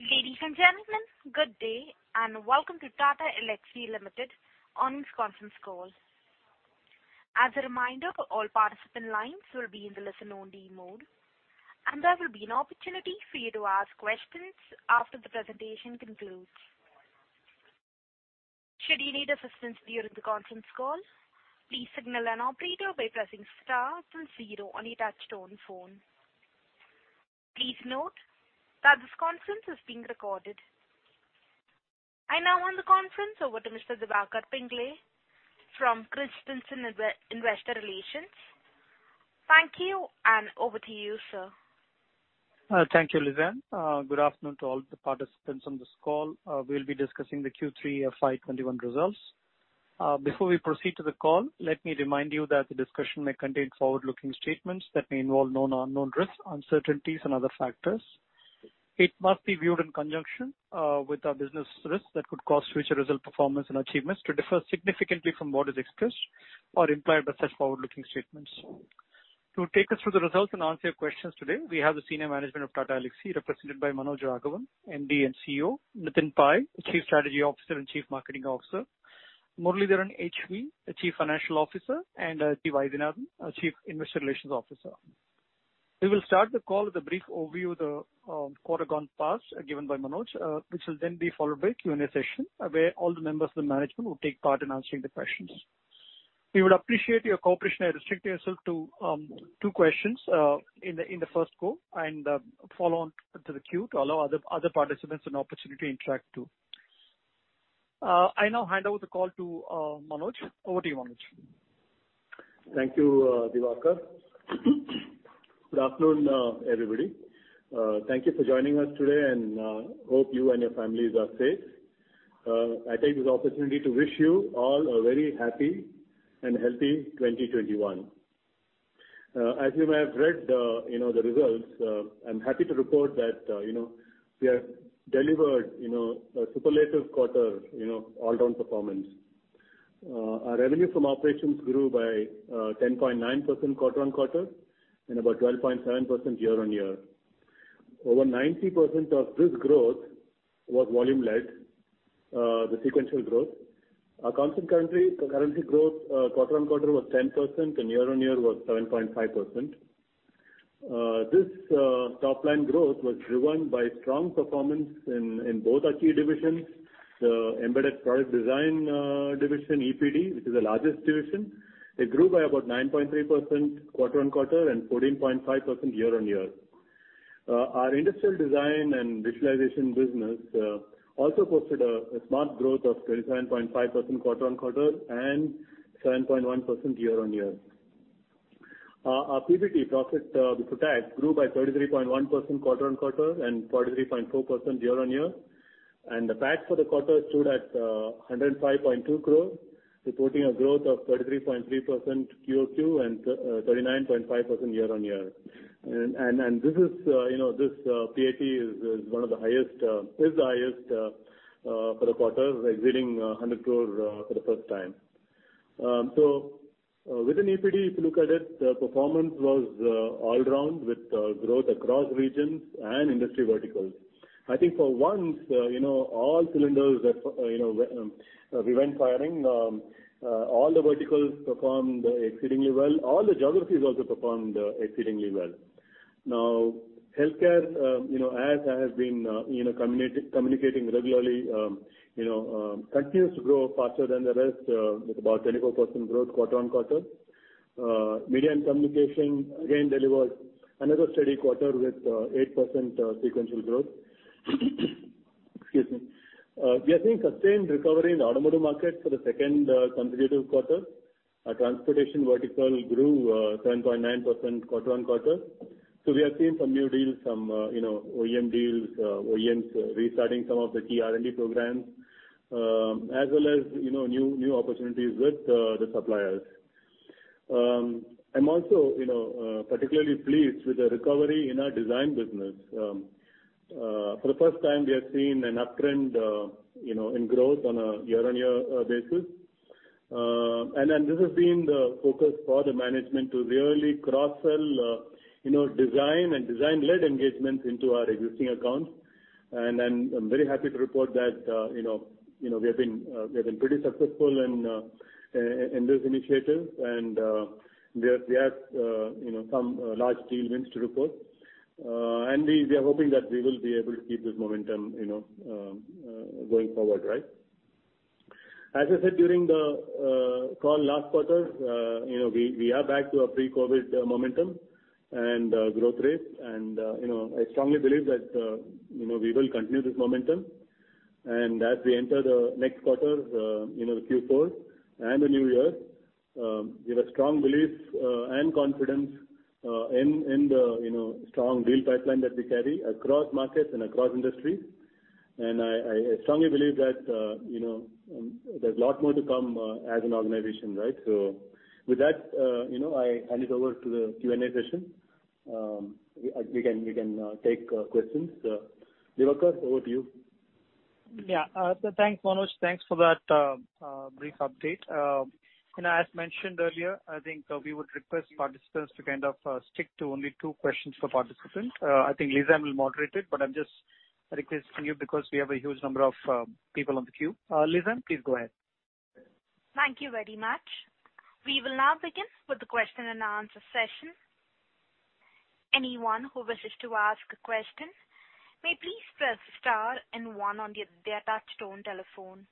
Ladies and gentlemen, good day, and welcome to Tata Elxsi Limited earnings conference call. As a reminder, all participant lines will be in the listen-only-mode, and there will be an opportunity for you to ask questions after the presentation concludes. Should you need assistance during the conference call, please signal an operator by pressing star zero on your touch-tone phone. Please note that this conference is being recorded. I now hand the conference over to Mr. Diwakar Pingle from Christensen Investor Relations. Thank you, and over to you, sir. Thank you, Lizanne. Good afternoon to all the participants on this call. We'll be discussing the Q3 FY21 results. Before we proceed to the call, let me remind you that the discussion may contain forward-looking statements that may involve known or unknown risks, uncertainties, and other factors. It must be viewed in conjunction with our business risks that could cause future result performance and achievements to differ significantly from what is expressed or implied by such forward-looking statements. To take us through the results and answer your questions today, we have the senior management of Tata Elxsi represented by Manoj Raghavan, MD and CEO, Nitin Pai, Chief Strategy Officer and Chief Marketing Officer, Muralidharan H.V., the Chief Financial Officer, and G. Vaidyanathan, Chief Investor Relations Officer. We will start the call with a brief overview of the quarter gone past given by Manoj, which will then be followed by a Q&A session where all the members of the management will take part in answering the questions. We would appreciate your cooperation in restricting yourself to two questions in the first go and follow on to the queue to allow other participants an opportunity to interact too. I now hand over the call to Manoj. Over to you, Manoj. Thank you, Diwakar. Good afternoon, everybody. Thank you for joining us today and hope you and your families are safe. I take this opportunity to wish you all a very happy and healthy 2021. As you may have read the results, I am happy to report that we have delivered a superlative quarter all-round performance. Our revenue from operations grew by 10.9% quarter-on-quarter and about 12.7% year-on-year. Over 90% of this growth was volume led, the sequential growth. Our constant currency growth quarter-on-quarter was 10%, and year-on-year was 7.5%. This top-line growth was driven by strong performance in both our key divisions, the Embedded Product Design division, EPD, which is the largest division. It grew by about 9.3% quarter-on-quarter and 14.5% year-on-year. Our industrial design and visualization business also posted a smart growth of 37.5% quarter-on-quarter and 7.1% year-on-year. Our PBT, profit before tax, grew by 33.1% quarter-on-quarter and 33.4% year-on-year. The PAT for the quarter stood at 105.2 crore, reporting a growth of 33.3% QOQ and 39.5% year-on-year. This PAT is the highest for a quarter, exceeding 100 crore for the first time. Within EPD, if you look at it, the performance was all around with growth across regions and industry verticals. I think for once all cylinders were firing. All the verticals performed exceedingly well. All the geographies also performed exceedingly well. Healthcare, as I have been communicating regularly continues to grow faster than the rest with about 24% growth quarter-on-quarter. Media and communication again delivered another steady quarter with 8% sequential growth. Excuse me. We are seeing sustained recovery in the automotive market for the second consecutive quarter. Our transportation vertical grew 7.9% quarter-on-quarter. We are seeing some new deals, some OEM deals, OEMs restarting some of the key R&D programs as well as new opportunities with the suppliers. I'm also particularly pleased with the recovery in our design business. For the first time, we have seen an uptrend in growth on a year-on-year basis. This has been the focus for the management to really cross-sell design and design-led engagements into our existing accounts. I'm very happy to report that we have been pretty successful in this initiative. We have some large deal wins to report. We are hoping that we will be able to keep this momentum going forward, right. As I said during the call last quarter, we are back to our pre-COVID momentum and growth rate. I strongly believe that we will continue this momentum. As we enter the next quarter, the Q4 and the new year, we have a strong belief and confidence in the strong deal pipeline that we carry across markets and across industries. I strongly believe that there's a lot more to come as an organization. With that I hand it over to the Q&A session. We can take questions. Diwakar, over to you. Yeah. Thanks, Manoj. Thanks for that brief update. As mentioned earlier, I think we would request participants to stick to only two questions per participant. I think Lizanne will moderate it, I'm just requesting you because we have a huge number of people on the queue. Lizanne, please go ahead. Thank you very much. We will now begin with the question-and-answer session. Anyone who wishes to ask a question may please press star and one on their touch-tone telephone.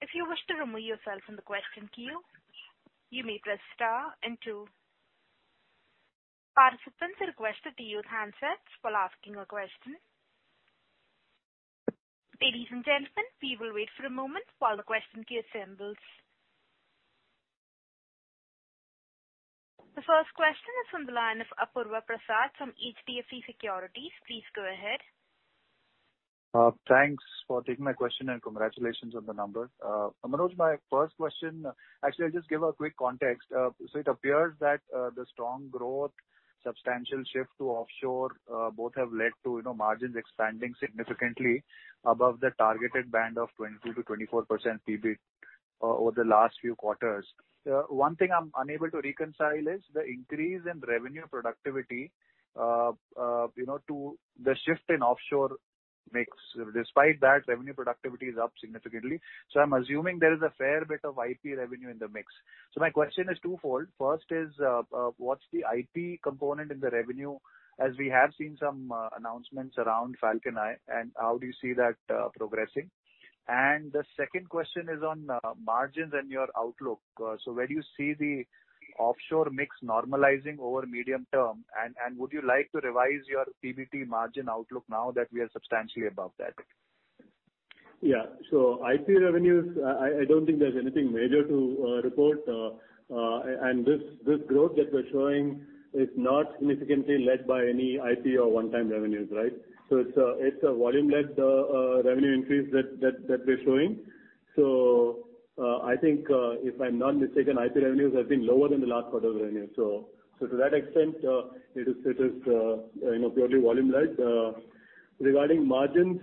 If you wish to remove yourself from the question queue, you may press star and two. Participants are requested to use handsets while asking a question. Ladies and gentlemen, we will wait for a moment while the question queue assembles. The first question is from the line of Apurva Prasad from HDFC Securities. Please go ahead. Thanks for taking my question and congratulations on the numbers. Manoj, my first question. It appears that the strong growth, substantial shift to offshore, both have led to margins expanding significantly above the targeted band of 20%-24% PBIT over the last few quarters. One thing I'm unable to reconcile is the increase in revenue productivity to the shift in offshore mix. Despite that, revenue productivity is up significantly. I'm assuming there is a fair bit of IP revenue in the mix. My question is twofold. First is, what's the IP component in the revenue, as we have seen some announcements around FalconEye, and how do you see that progressing? The second question is on margins and your outlook. Where do you see the offshore mix normalizing over medium term? Would you like to revise your PBT margin outlook now that we are substantially above that? Yeah. IP revenues, I don't think there's anything major to report. This growth that we're showing is not significantly led by any IP or one-time revenues, right? It's a volume-led revenue increase that we're showing. I think, if I'm not mistaken, IP revenues have been lower than the last quarter's revenue. To that extent, it is purely volume-led. Regarding margins,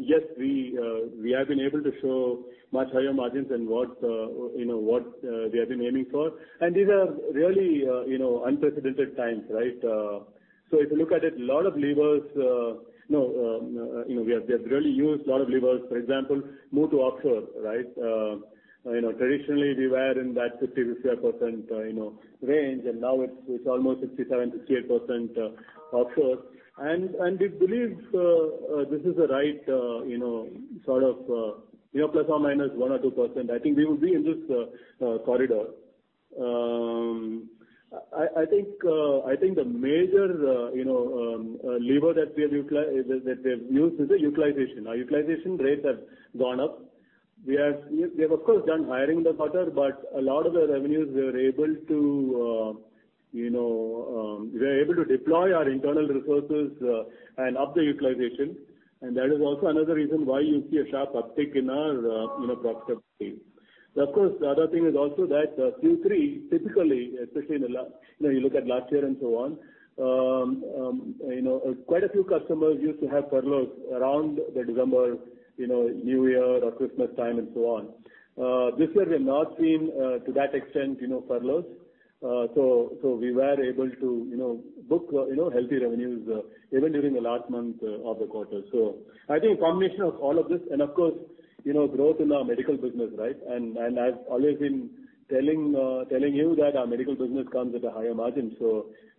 yes, we have been able to show much higher margins than what we have been aiming for. These are really unprecedented times, right? If you look at it, we have really used a lot of levers. For example, move to offshore, right? Traditionally, we were in that 50%-55% range, and now it's almost 67%-68% offshore. We believe this is the right sort of plus or minus 1% or 2%. I think we would be in this corridor. I think the major lever that we have used is the utilization. Our utilization rates have gone up. We have, of course, done hiring this quarter, but a lot of the revenues, we were able to deploy our internal resources and up the utilization. That is also another reason why you see a sharp uptick in our profitability. Of course, the other thing is also that Q3 typically, especially if you look at last year and so on, quite a few customers used to have furloughs around the December, New Year or Christmas time and so on. This year we've not seen furloughs to that extent. We were able to book healthy revenues even during the last month of the quarter. I think a combination of all of this and, of course, growth in our medical business, right? I've always been telling you that our medical business comes at a higher margin.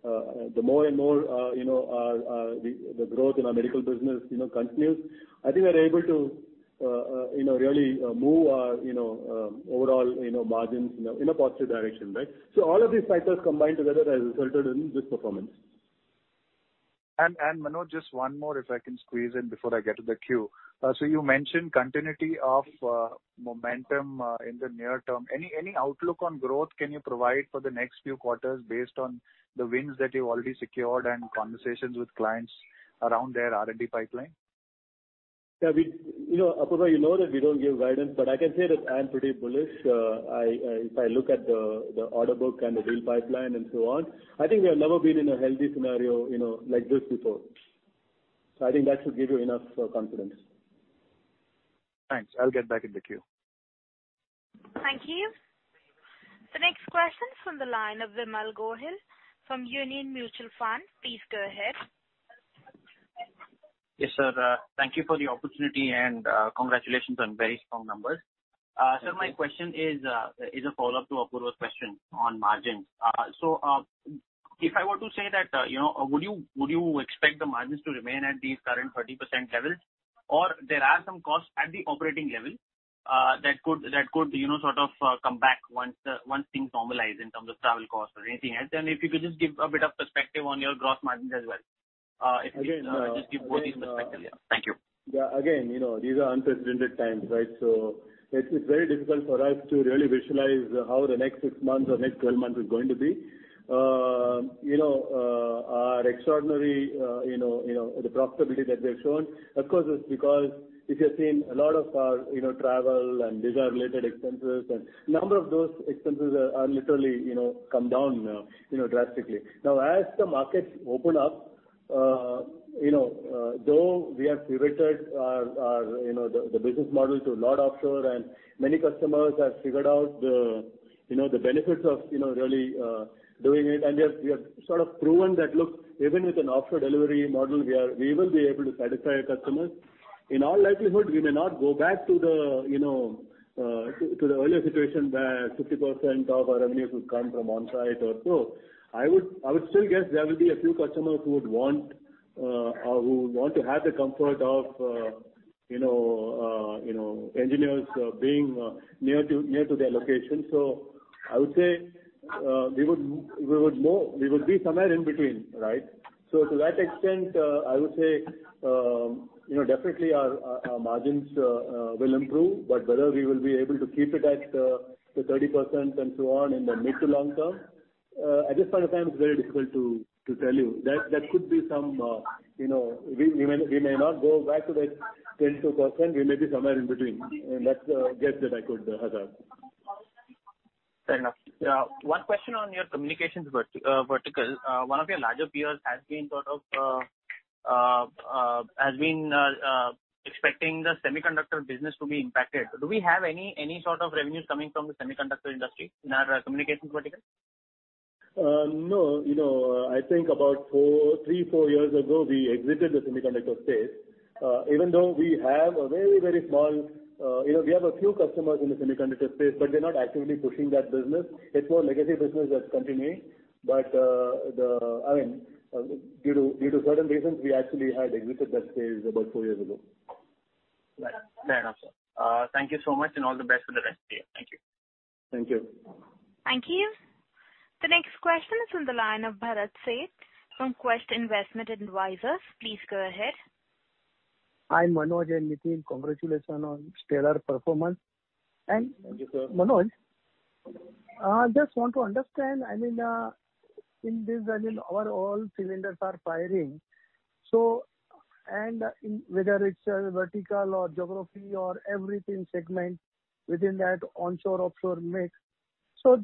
The more and more the growth in our medical business continues, I think we're able to really move our overall margins in a positive direction, right. All of these factors combined together has resulted in this performance. Manoj, just one more if I can squeeze in before I get to the queue. You mentioned continuity of momentum in the near term. Any outlook on growth can you provide for the next few quarters based on the wins that you've already secured and conversations with clients around their R&D pipeline? Apurva, you know that we don't give guidance. I can say that I am pretty bullish. If I look at the order book and the deal pipeline and so on, I think we have never been in a healthy scenario like this before. I think that should give you enough confidence. Thanks. I'll get back in the queue. Thank you. The next question from the line of Vimal Gohil from Union Mutual Fund. Please go ahead. Yes, sir. Thank you for the opportunity, and congratulations on very strong numbers. Sir, my question is a follow-up to Apurva's question on margins. If I were to say that, would you expect the margins to remain at these current 30% levels? Or there are some costs at the operating level that could sort of come back once things normalize in terms of travel costs or anything else? And if you could just give a bit of perspective on your gross margins as well. If you could just give both these perspectives. Thank you. These are unprecedented times, right? It's very difficult for us to really visualize how the next six months or next 12 months is going to be. Our extraordinary profitability that we've shown, of course, is because if you have seen a lot of our travel and visa-related expenses, a number of those expenses literally come down drastically. As the markets open up. Though we have pivoted the business model to not offshore, and many customers have figured out the benefits of really doing it. We have sort of proven that, look, even with an offshore delivery model, we will be able to satisfy our customers. In all likelihood, we may not go back to the earlier situation where 50% of our revenue could come from on-site or so. I would still guess there will be a few customers who would want to have the comfort of engineers being near to their location. I would say we would be somewhere in between, right? To that extent, I would say definitely our margins will improve, but whether we will be able to keep it at the 30% and so on in the mid to long term, at this point of time, it's very difficult to tell you. We may not go back to that 10%-20%, we may be somewhere in between. That's the guess that I could hazard. Fair enough. One question on your communications vertical. One of your larger peers has been expecting the semiconductor business to be impacted. Do we have any sort of revenues coming from the semiconductor industry in our communications vertical? No. I think about three, four years ago, we exited the semiconductor space. Even though we have a few customers in the semiconductor space, we're not actively pushing that business. It's more legacy business that's continuing. Due to certain reasons, we actually had exited that space about four years ago. Right. Fair enough, sir. Thank you so much, and all the best for the rest. Thank you. Thank you. Thank you. The next question is on the line of Bharat Sheth from Quest Investment Advisors. Please go ahead. Hi, Manoj and Nitin. Congratulations on stellar performance. Thank you, sir. Manoj, I just want to understand in this our all cylinders are firing, and whether it's a vertical or geography or everything segment within that onshore, offshore mix,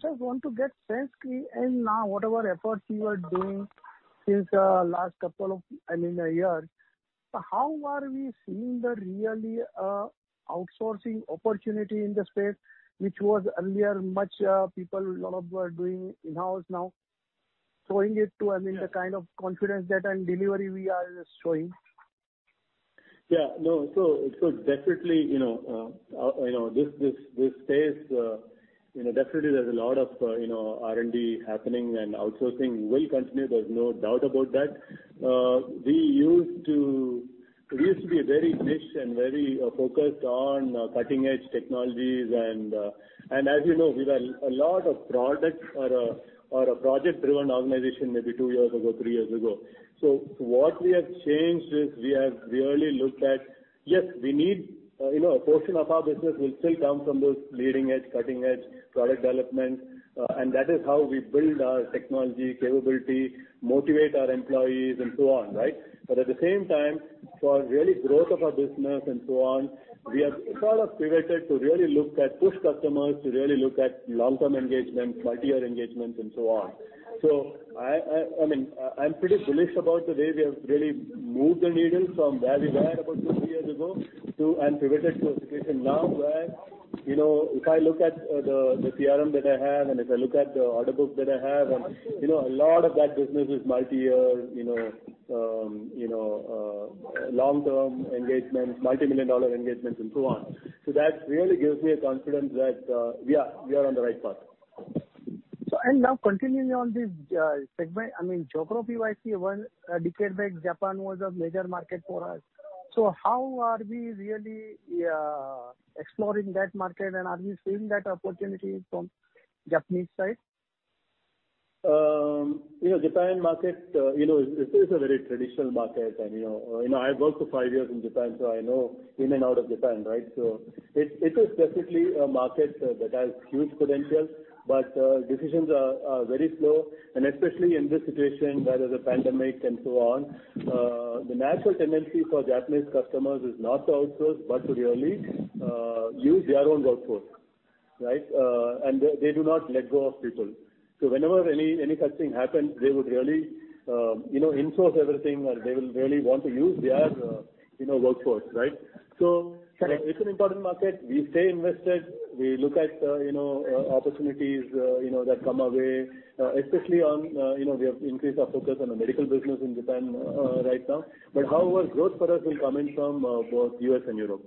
just want to get sense and now whatever efforts you are doing since last couple of years, how are we seeing the really outsourcing opportunity in the space, which was earlier much people a lot of were doing in-house now, showing it to the kind of confidence that and delivery we are showing? Definitely, this space, definitely there's a lot of R&D happening and outsourcing will continue. There's no doubt about that. We used to be very niche and very focused on cutting-edge technologies, and as you know, we were a lot of products or a project-driven organization maybe two years ago, three years ago. What we have changed is we have really looked at, yes, a portion of our business will still come from those leading-edge, cutting-edge product developments. That is how we build our technology capability, motivate our employees, and so on, right? At the same time, for really growth of our business and so on, we have sort of pivoted to really look at push customers, to really look at long-term engagements, multi-year engagements, and so on. I'm pretty bullish about the way we have really moved the needle from where we were about two, three years ago, and pivoted to a situation now where, if I look at the CRM that I have, and if I look at the order book that I have, and a lot of that business is multi-year, long-term engagements, multi-million dollar engagements, and so on. That really gives me a confidence that we are on the right path. Now continuing on this segment, geography-wise, a decade back, Japan was a major market for us. How are we really exploring that market, and are we seeing that opportunity from Japanese side? Japan market is a very traditional market, and I've worked for five years in Japan, so I know in and out of Japan, right? It is definitely a market that has huge credentials, but decisions are very slow, especially in this situation. The natural tendency for Japanese customers is not to outsource, but to really use their own workforce, right? They do not let go of people. Whenever any such thing happens, they would really in-source everything or they will really want to use their workforce, right? Correct. It's an important market. We stay invested. We look at opportunities that come our way, especially we have increased our focus on the medical business in Japan right now. However, growth for us will come in from both U.S. and Europe.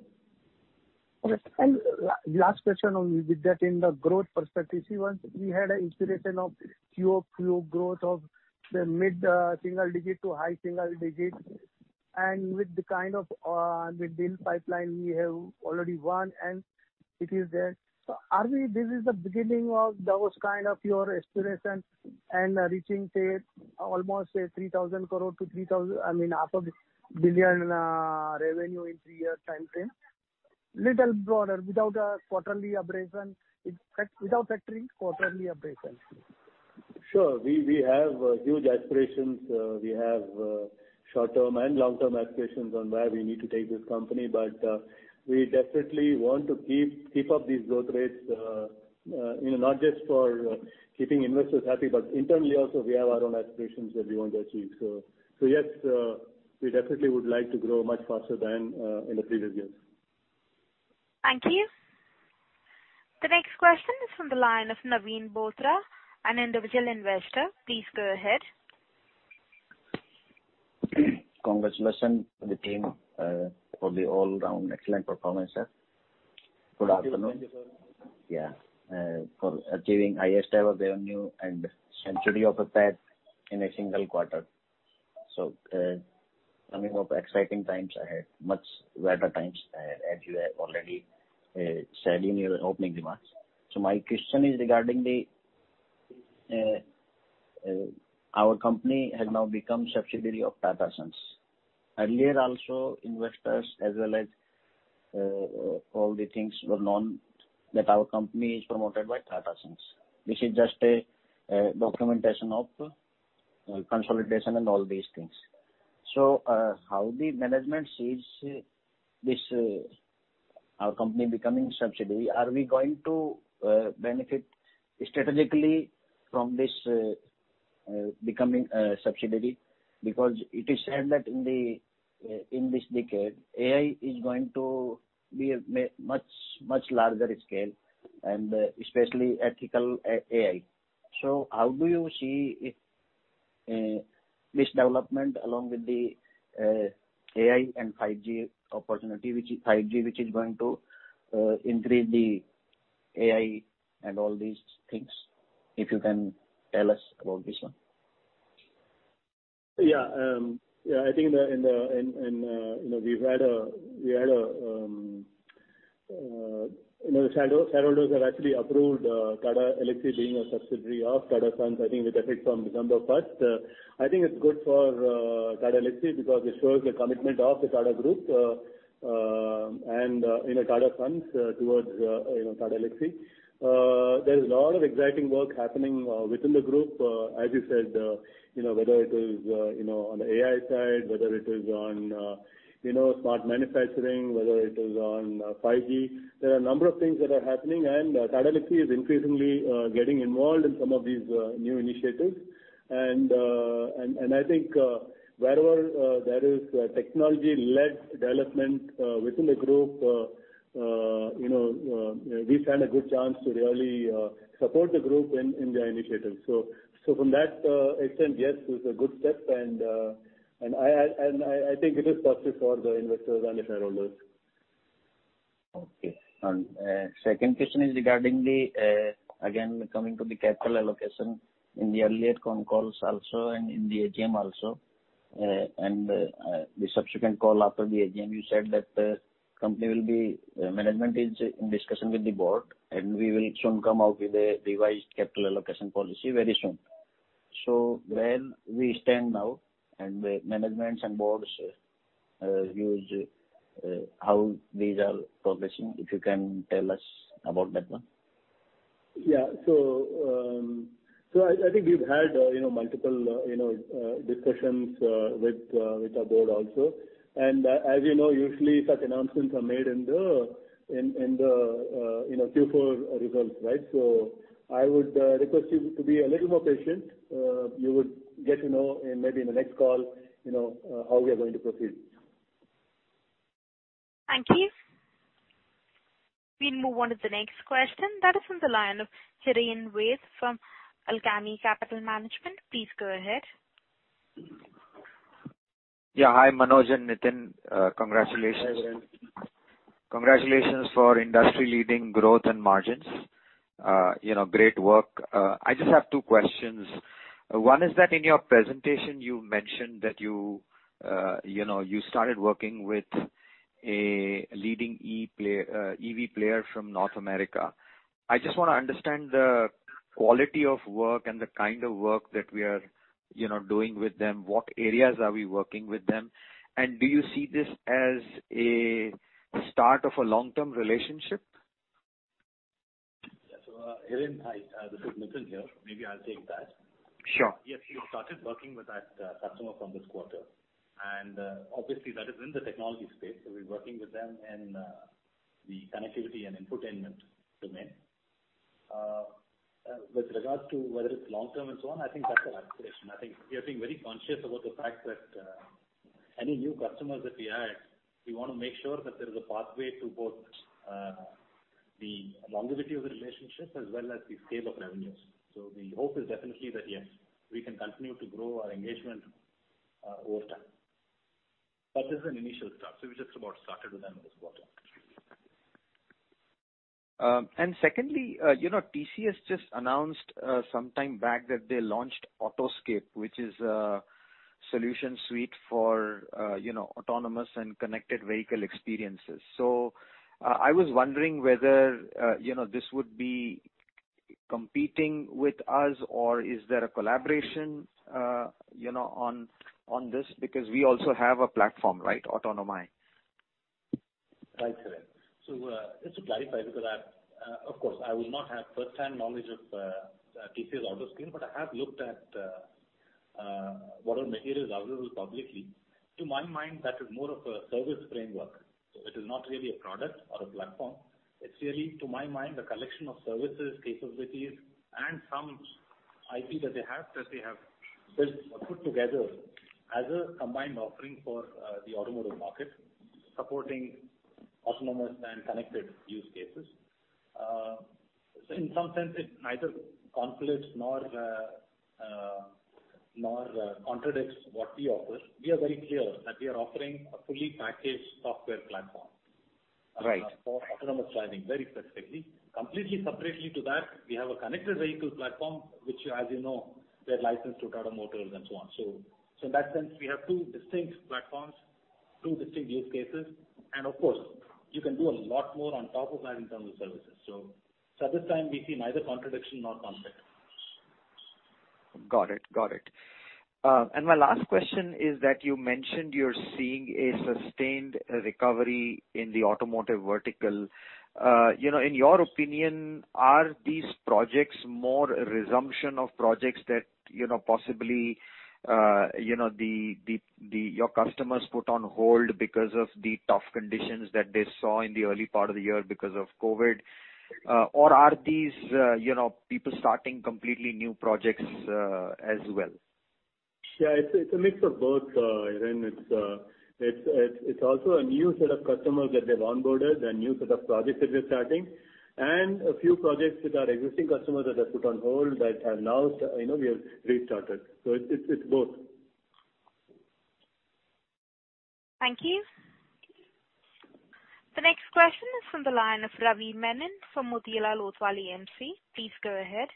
Last question on with that in the growth perspective. Once we had an aspiration of pure growth of the mid-single digit to high single digit, with the kind of deal pipeline we have already won, and it is there. This is the beginning of that kind of your aspiration and reaching, say, almost 3,000 crore to, I mean, half of billion revenue in three years' timeframe? Little broader, without factoring quarterly aberration. Sure. We have huge aspirations. We have short-term and long-term aspirations on where we need to take this company. We definitely want to keep up these growth rates, not just for keeping investors happy, but internally also, we have our own aspirations that we want to achieve. Yes, we definitely would like to grow much faster than in the previous years. Thank you. The next question is from the line of Naveen Batra, an individual investor. Please go ahead. Congratulations to the team for the all-around excellent performance. Good afternoon. Thank you. Yeah. For achieving highest ever revenue and century of a PAT in a single quarter. Coming up exciting times ahead, much better times, as you have already said in your opening remarks. My question is regarding; our company has now become subsidiary of Tata Sons. Earlier also, investors as well as all the things were known that our company is promoted by Tata Sons. This is just a documentation of consolidation and all these things. How the management sees our company becoming subsidiary? Are we going to benefit strategically from this becoming a subsidiary? Because it is said that in this decade, AI is going to be a much larger scale, and especially ethical AI. How do you see this development along with the AI and 5G opportunity, which is 5G, which is going to increase the AI and all these things? If you can tell us about this one. Yeah. I think the shareholders have actually approved Tata Elxsi being a subsidiary of Tata Sons, I think with effect from December 1st. I think it's good for Tata Elxsi because it shows the commitment of the Tata Group, and Tata Sons towards Tata Elxsi. There is a lot of exciting work happening within the group, as you said, whether it is on the AI side, whether it is on smart manufacturing, whether it is on 5G, there are a number of things that are happening, and Tata Elxsi is increasingly getting involved in some of these new initiatives. I think, wherever there is technology-led development within the group, we stand a good chance to really support the group in their initiatives. From that extent, yes, it's a good step, and I think it is positive for the investors and the shareholders. Okay. Second question is regarding the, again, coming to the capital allocation in the earlier con calls also and in the AGM also. The subsequent call after the AGM, you said that company management is in discussion with the board, and we will soon come out with a revised capital allocation policy very soon. Where do we stand now? Management and boards, how these are progressing, if you can tell us about that one. Yeah. I think we've had multiple discussions with our board also. As you know, usually such announcements are made in the Q4 results, right? I would request you to be a little more patient. You would get to know maybe in the next call, how we are going to proceed. Thank you. We'll move on to the next question. That is from the line of Hiren Ved from Alchemy Capital Management. Please go ahead. Yeah. Hi, Manoj and Nitin. Congratulations. Hi, Hiren. Congratulations for industry-leading growth and margins. Great work. I just have two questions. One is that in your presentation, you mentioned that you started working with a leading EV player from North America. I just want to understand the quality of work and the kind of work that we are doing with them. What areas are we working with them? Do you see this as a start of a long-term relationship? Hiren, hi. This is Nitin here. Maybe I'll take that. Sure. Yes, we have started working with that customer from this quarter. Obviously, that is in the technology space, so we're working with them in the connectivity and infotainment domain. With regard to whether it's long-term and so on, I think that's an aspiration. I think we are being very conscious about the fact that any new customers that we add, we want to make sure that there is a pathway to both the longevity of the relationship as well as the scale of revenues. The hope is definitely that yes, we can continue to grow our engagement over time. This is an initial start, so we just about started with them this quarter. Secondly, TCS just announced sometime back that they launched Autoscape, which is a solution suite for autonomous and connected vehicle experiences. I was wondering whether this would be competing with us or is there a collaboration on this? Because we also have a platform, right? Autonomai. Right, Hiren. Just to clarify, because, of course, I will not have first-hand knowledge of TCS Autoscape, but I have looked at what all material is available publicly. To my mind, that is more of a service framework. It is not really a product or a platform. It's really, to my mind, a collection of services, capabilities, and some IP that they have, that they have built or put together as a combined offering for the automotive market, supporting autonomous and connected use cases. In some sense, it neither conflicts nor contradicts what we offer. We are very clear that we are offering a fully packaged software platform for autonomous driving very specifically. Separately to that, we have a connected vehicle platform, which as you know, we had licensed to Tata Motors and so on. In that sense, we have two distinct platforms, two distinct use cases, and of course, you can do a lot more on top of that in terms of services. At this time, we see neither contradiction nor conflict. Got it. My last question is that you mentioned you're seeing a sustained recovery in the automotive vertical. In your opinion, are these projects more a resumption of projects that possibly your customers put on hold because of the tough conditions that they saw in the early part of the year because of COVID? Or are these people starting completely new projects as well? Yeah. It's a mix of both, Hiren. It's also a new set of customers that they've onboarded, a new set of projects that they're starting, and a few projects with our existing customers that are put on hold that have now we have restarted. It's both. Thank you. The next question is from the line of Ravi Menon from Motilal Oswal AMC. Please go ahead.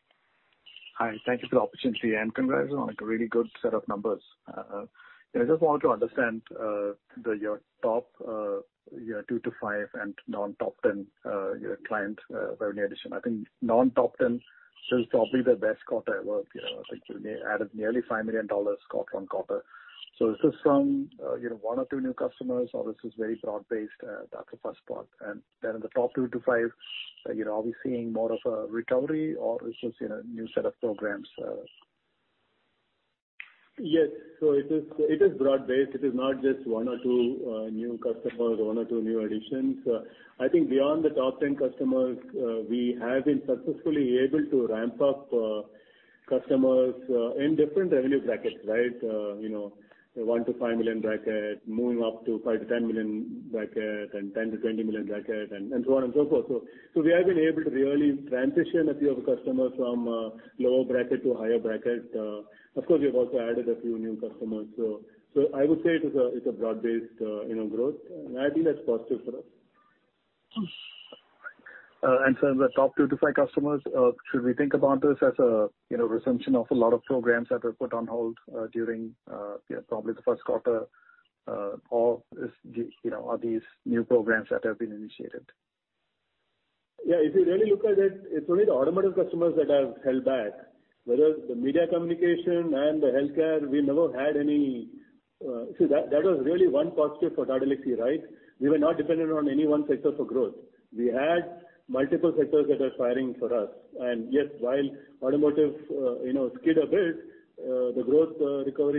Hi. Thank you for the opportunity, congrats on a really good set of numbers. I just want to understand your top two to five and non-top 10 client revenue addition. I think non-top 10 is probably the best quarter ever. I think you added nearly $5 million quarter-on-quarter. Is this from one or two new customers, or this is very broad based? That's the first part. In the top two to five, are we seeing more of a recovery or is this new set of programs? It is broad-based. It is not just one or two new customers, or one or two new additions. I think beyond the top 10 customers, we have been successfully able to ramp up customers in different revenue brackets. $1-$5 million bracket, moving up to $5-$10 million bracket, and $10-$20 million bracket, and so on and so forth. We have been able to really transition a few of the customers from a lower bracket to a higher bracket. Of course, we have also added a few new customers. I would say it's a broad-based growth. I think that's positive for us. Sir, the top two to five customers, should we think about this as a resumption of a lot of programs that were put on hold during probably the Q1, or are these new programs that have been initiated? Yeah, if you really look at it's only the automotive customers that have held back. Whereas the media communication and the healthcare, we never had any. That was really one positive for Tata Elxsi. We were not dependent on any one sector for growth. We had multiple sectors that were firing for us. Yes, while automotive skid a bit, the growth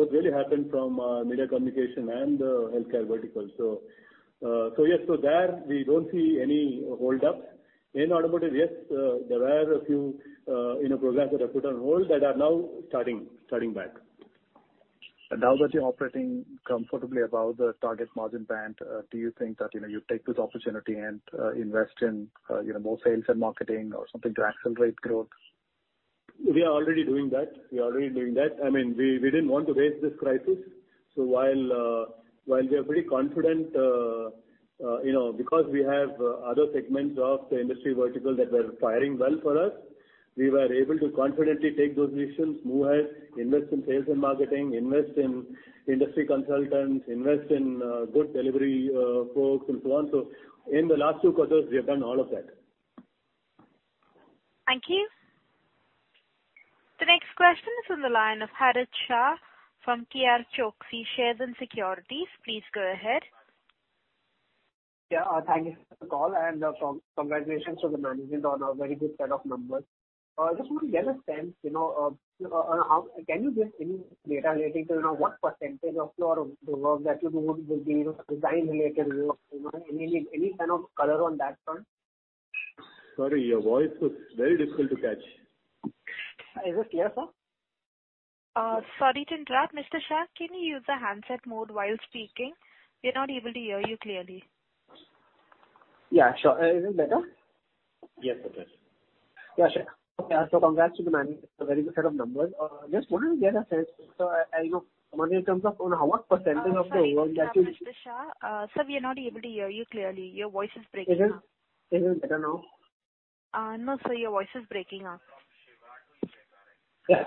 really happened from media communication and the healthcare vertical. Yes, so there we don't see any holdup. In automotive, yes, there were a few programs that were put on hold that are now starting back. Now that you're operating comfortably above the target margin band, do you think that you take this opportunity and invest in more sales and marketing or something to accelerate growth? We are already doing that. We didn't want to waste this crisis. While we are pretty confident, because we have other segments of the industry vertical that were firing well for us, we were able to confidently take those decisions, move ahead, invest in sales and marketing, invest in industry consultants, invest in good delivery folks, and so on. In the last two quarters, we have done all of that. Thank you. The next question is on the line of Harit Shah from KRChoksey Shares and Securities. Please go ahead. Thank you for the call, congratulations to the management on a very good set of numbers. Just want to get a sense, can you give any data relating to what percentage of your work that you do would be design related work? Any kind of color on that front? Sorry, your voice is very difficult to catch. Is this clear, sir? Sorry to interrupt. Mr. Shah, can you use the handset mode while speaking? We're not able to hear you clearly. Yeah, sure. Is it better? Yes, it is. Yeah, sure. Okay. Congrats to the management on a very good set of numbers. Just wanted to get a sense, sir, in terms of what percentage of the work that you. Sorry to interrupt, Mr. Shah. Sir, we are not able to hear you clearly. Your voice is breaking up. Is it better now? No, sir, your voice is breaking up. Yeah.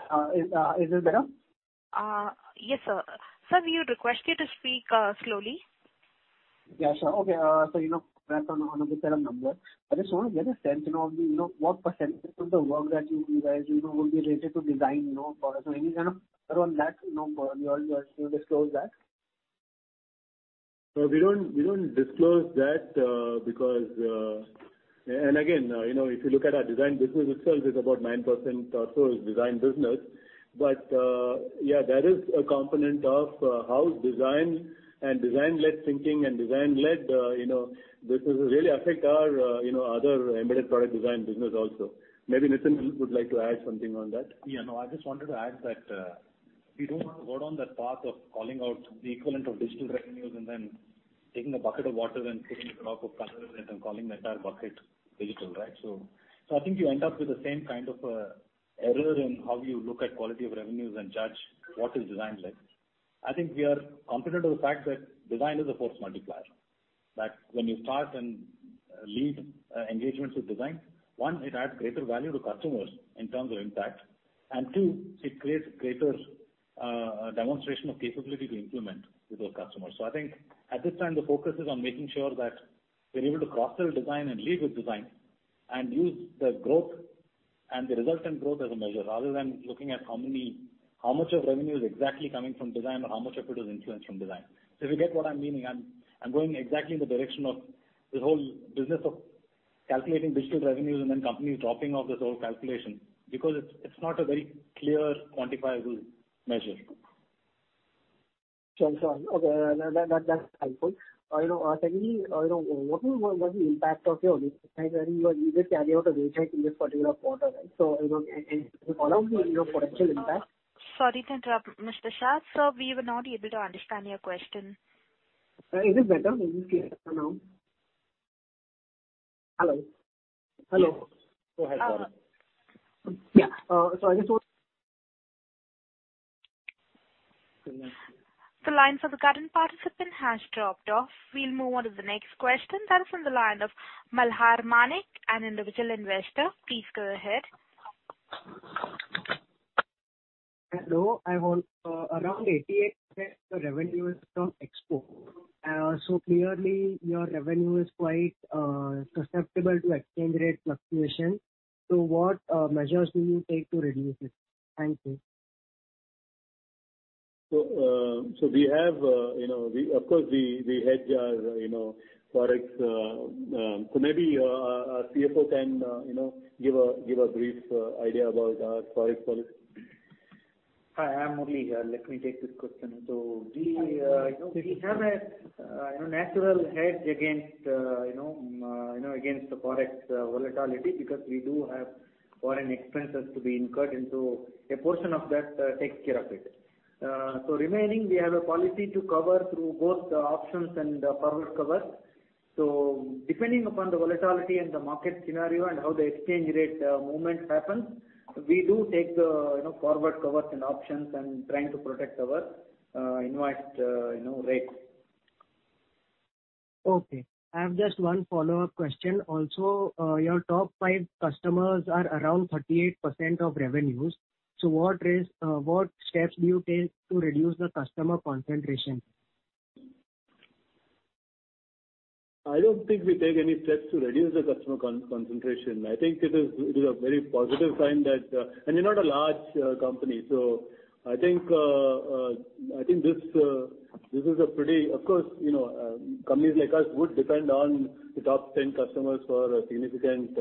Is this better? Yes, sir. Sir, we would request you to speak slowly. Yeah, sure. Okay. Congrats on a good set of numbers. I just want to get a sense, what percentage of the work that you guys do would be related to design for us? Any kind of color on that? Numbers you are willing to disclose that? We don't disclose that. Again, if you look at our design business itself, it's about 9% or so is design business. That is a component of how design and design-led thinking and design-led businesses really affect our other embedded product design business also. Maybe Nitin would like to add something on that. Yeah, no, I just wanted to add that we don't want to go down that path of calling out the equivalent of digital revenues and then taking a bucket of water and putting a drop of color in it and calling the entire bucket digital, right? I think you end up with the same kind of error in how you look at quality of revenues and judge what is design-led. I think we are confident of the fact that design is a force multiplier. That when you start and lead engagements with design, one, it adds greater value to customers in terms of impact. And two, it creates greater demonstration of capability to implement with our customers. I think at this time, the focus is on making sure that we're able to cross-sell design and lead with design and use the growth and the resultant growth as a measure, rather than looking at how much of revenue is exactly coming from design or how much of it is influenced from design. If you get what I'm meaning, I'm going exactly in the direction of this whole business of calculating digital revenues and then companies dropping off this whole calculation because it's not a very clear, quantifiable measure. Sure. Okay, that's helpful. Secondly, what will be the impact of your in this particular quarter? Could you call out the potential impact? Sorry to interrupt, Mr. Shah. Sir, we were not able to understand your question. Is this better? Is it clearer now? Hello? Hello. Oh, hi. Sorry. Yeah. The line for the current participant has dropped off. We will move on to the next question. That is on the line of Malhar Manek, an individual investor. Please go ahead. Hello. Around 88% of revenue is from export. Clearly your revenue is quite susceptible to exchange rate fluctuation. What measures do you take to reduce it? Thank you. We of course hedge our Forex. Maybe our CFO can give a brief idea about our Forex policy. Hi, Murali here. Let me take this question. We have a natural hedge against the Forex volatility because we do have foreign expenses to be incurred into a portion of that takes care of it. Remaining, we have a policy to cover through both the options and forward cover. Depending upon the volatility and the market scenario and how the exchange rate movements happen, we do take the forward covers and options and trying to protect our inward rates. Okay. I have just one follow-up question. Also, your top five customers are around 38% of revenues. What steps do you take to reduce the customer concentration? I don't think we take any steps to reduce the customer concentration. I think it is a very positive sign that we're not a large company. Of course, companies like us would depend on the top 10 customers for a significant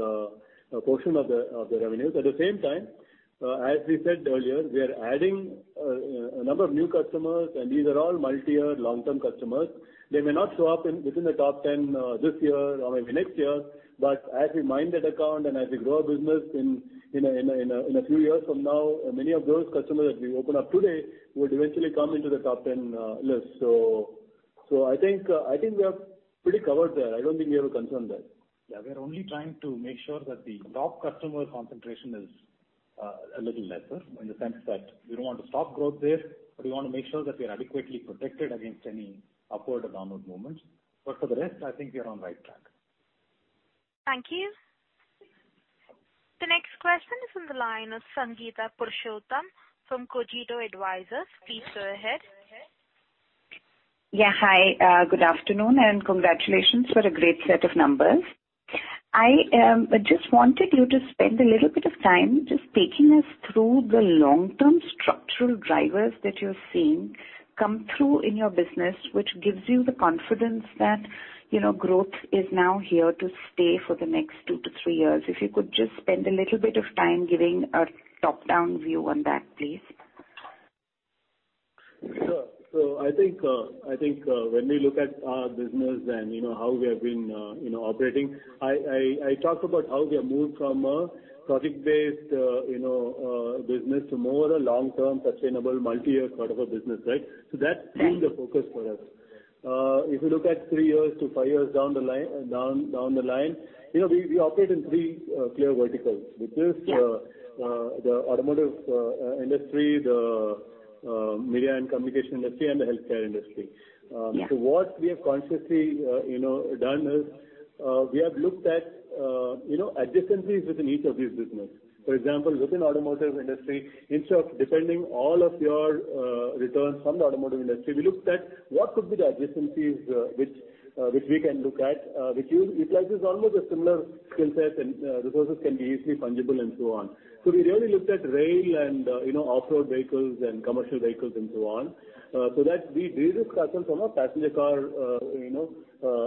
portion of the revenues. At the same time, as we said earlier, we are adding a number of new customers, and these are all multi-year long-term customers. They may not show up within the top 10 this year or maybe next year. As we mine that account and as we grow our business in a few years from now, many of those customers that we open up today would eventually come into the top 10 list. I think we are pretty covered there. I don't think we have a concern there. Yeah, we are only trying to make sure that the top customer concentration is a little lesser in the sense that we don't want to stop growth there, but we want to make sure that we are adequately protected against any upward or downward movements. For the rest, I think we are on right track. Thank you. The next question is on the line of Sangeeta Purushottam from Cogito Advisors. Please go ahead. Yeah. Hi, good afternoon and congratulations for a great set of numbers. I just wanted you to spend a little bit of time just taking us through the long-term structural drivers that you're seeing come through in your business, which gives you the confidence that growth is now here to stay for the next two to three years. If you could just spend a little bit of time giving a top-down view on that, please. I think when we look at our business and how we have been operating, I talk about how we have moved from a project-based business to more of a long-term, sustainable, multi-year sort of a business, right? That's been the focus for us. If you look at three years to five years down the line, we operate in three clear verticals, which is the automotive industry, the media and communication industry, and the healthcare industry. Yeah. What we have consciously done is, we have looked at adjacencies within each of these businesses. For example, within automotive industry, instead of depending all of your returns from the automotive industry, we looked at what could be the adjacencies which we can look at which utilize almost a similar skill set and resources can be easily fungible and so on. We really looked at rail and off-road vehicles and commercial vehicles and so on, so that we de-risk ourselves from a passenger car,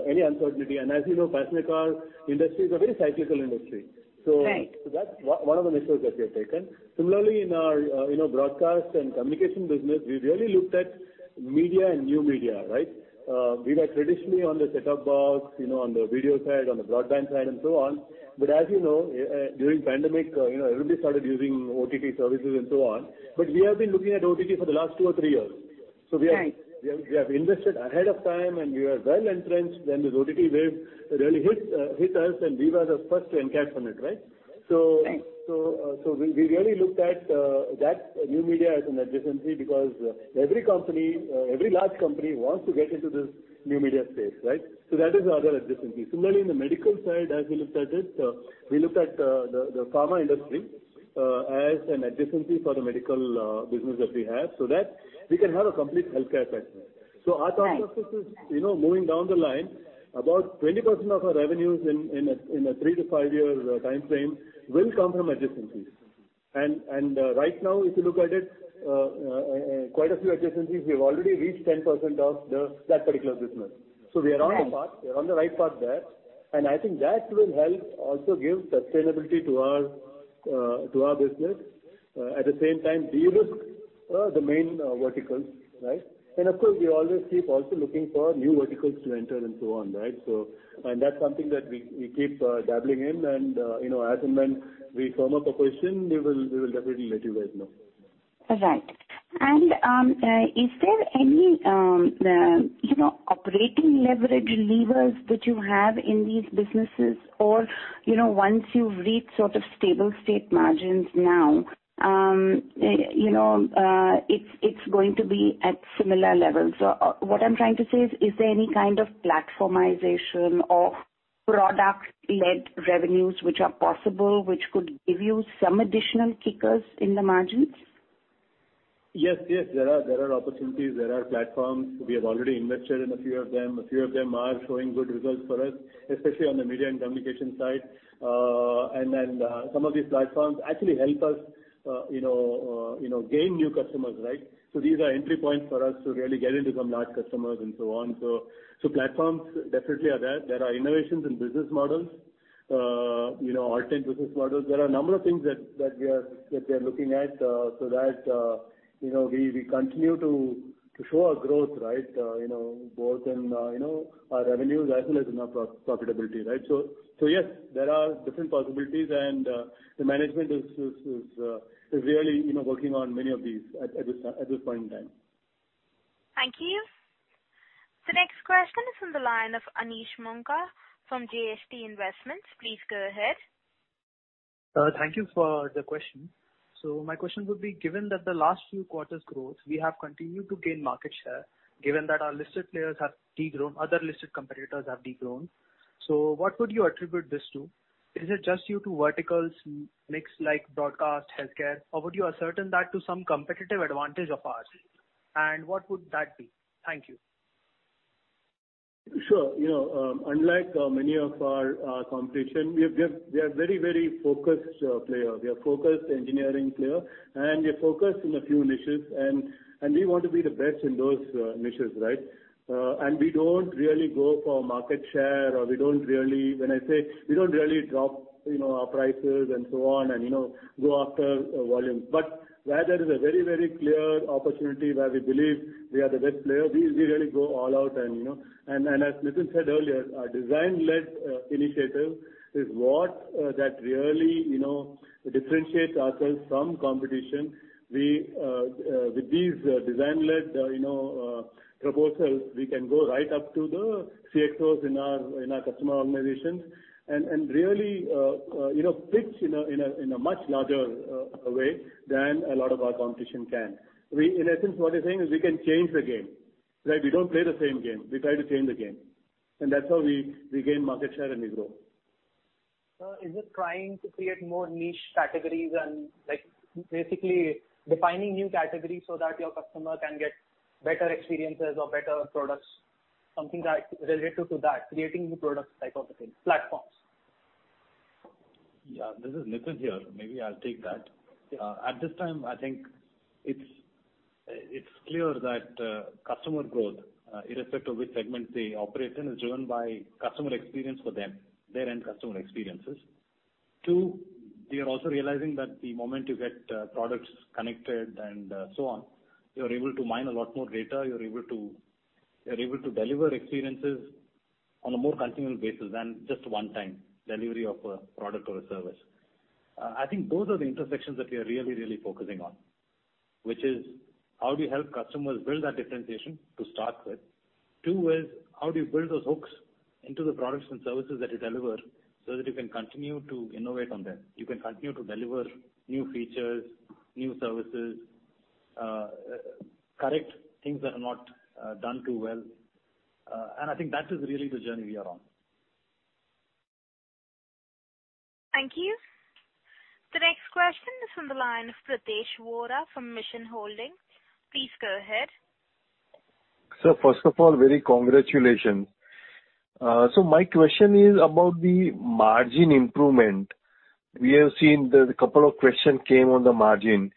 any uncertainty. As you know, passenger car industry is a very cyclical industry. Right. That's one of the measures that we have taken. Similarly, in our broadcast and communication business, we really looked at media and new media, right? We were traditionally on the set-top box, on the video side, on the broadband side, and so on. As you know, during pandemic everybody started using OTT services and so on. We have been looking at OTT for the last two or three years. Right We have invested ahead of time, and we are well-entrenched. When the OTT wave really hit us, then we were the first to encash on it, right? Right. We really looked at that new media as an adjacency because every large company wants to get into this new media space, right? That is our other adjacency. Similarly, in the medical side, as we looked at it, we looked at the pharma industry as an adjacency for the medical business that we have, so that we can have a complete healthcare segment. Right. Our thought process is, moving down the line, about 20% of our revenues in a three-to-five-year timeframe will come from adjacencies. Right now, if you look at it, quite a few adjacencies, we've already reached 10% of that particular business. Right. We are on the right path there. I think that will help also give sustainability to our business. At the same time, de-risk the main verticals. Of course, we always keep also looking for new verticals to enter and so on. That's something that we keep dabbling in and, as and when we firm up a question, we will definitely let you guys know. Right. Is there any operating leverage levers that you have in these businesses? Once you've reached sort of stable state margins now, it's going to be at similar levels. What I'm trying to say is there any kind of platformization or product-led revenues which are possible, which could give you some additional kickers in the margins? Yes. There are opportunities, there are platforms. We have already invested in a few of them. A few of them are showing good results for us, especially on the media and communication side. Some of these platforms actually help us gain new customers. These are entry points for us to really get into some large customers and so on. Platforms definitely are there. There are innovations in business models, alternate business models. There are a number of things that we are looking at, so that we continue to show our growth, both in our revenues as well as in our profitability. Yes, there are different possibilities and the management is really working on many of these at this point in time. Thank you. The next question is on the line of Anish Moonka from JST Investments. Please go ahead. Thank you for the question. My question would be, given that the last few quarters' growth, we have continued to gain market share, given that our listed players have de-grown, other listed competitors have de-grown. What would you attribute this to? Is it just due to verticals mix like broadcast, healthcare, or would you ascertain that to some competitive advantage of ours? What would that be? Thank you. Sure. Unlike many of our competition, we are a very focused player. We are a focused engineering player, we are focused in a few niches, and we want to be the best in those niches, right? We don't really go for market share, or we don't really drop our prices and so on and go after volume. Where there is a very clear opportunity where we believe we are the best player, we really go all out. As Nitin said earlier, our design-led initiative is what that really differentiates ourselves from competition. With these design-led proposals, we can go right up to the CXOs in our customer organizations and really pitch in a much larger way than a lot of our competition can. In essence, what we're saying is we can change the game, right? We don't play the same game. We try to change the game. That's how we gain market share and we grow. Sir, is it trying to create more niche categories and basically defining new categories so that your customer can get better experiences or better products, something related to that, creating new products type of a thing, platforms? Yeah, this is Nitin here. Maybe I'll take that. At this time, I think it's clear that customer growth, irrespective of which segment they operate in, is driven by customer experience for them, their end customer experiences. Two, we are also realizing that the moment you get products connected and so on, you're able to mine a lot more data, you're able to deliver experiences on a more continual basis than just one-time delivery of a product or a service. I think those are the intersections that we are really focusing on, which is how do you help customers build that differentiation to start with. Two is how do you build those hooks into the products and services that you deliver so that you can continue to innovate on them. You can continue to deliver new features, new services, correct things that are not done too well. I think that is really the journey we are on. Thank you. The next question is on the line of Pritesh Vora from Mission Holdings. Please go ahead. Sir, first of all, very congratulations. My question is about the margin improvement. We have seen that a couple of questions came on the margin.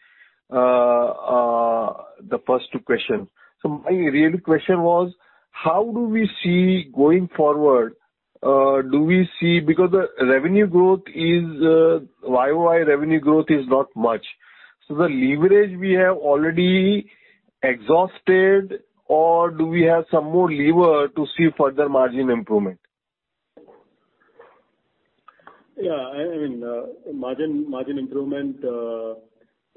The first two questions. My real question was, how do we see going forward? Because the YOY revenue growth is not much. The leverage we have already exhausted or do we have some more lever to see further margin improvement? Yeah. Margin improvement,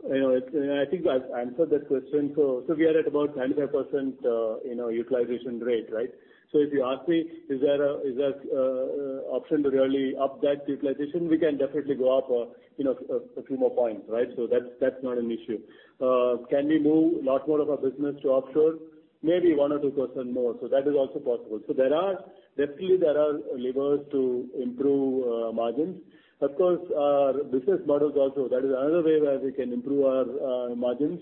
I think I've answered that question. We are at about 95% utilization rate, right? If you ask me, is there option to really up that utilization? We can definitely go up a few more points, right? That's not an issue. Can we move a lot more of our business to offshore? Maybe 1 or 2% more, so that is also possible. Definitely there are levers to improve margins. Of course, our business models also, that is another way where we can improve our margins,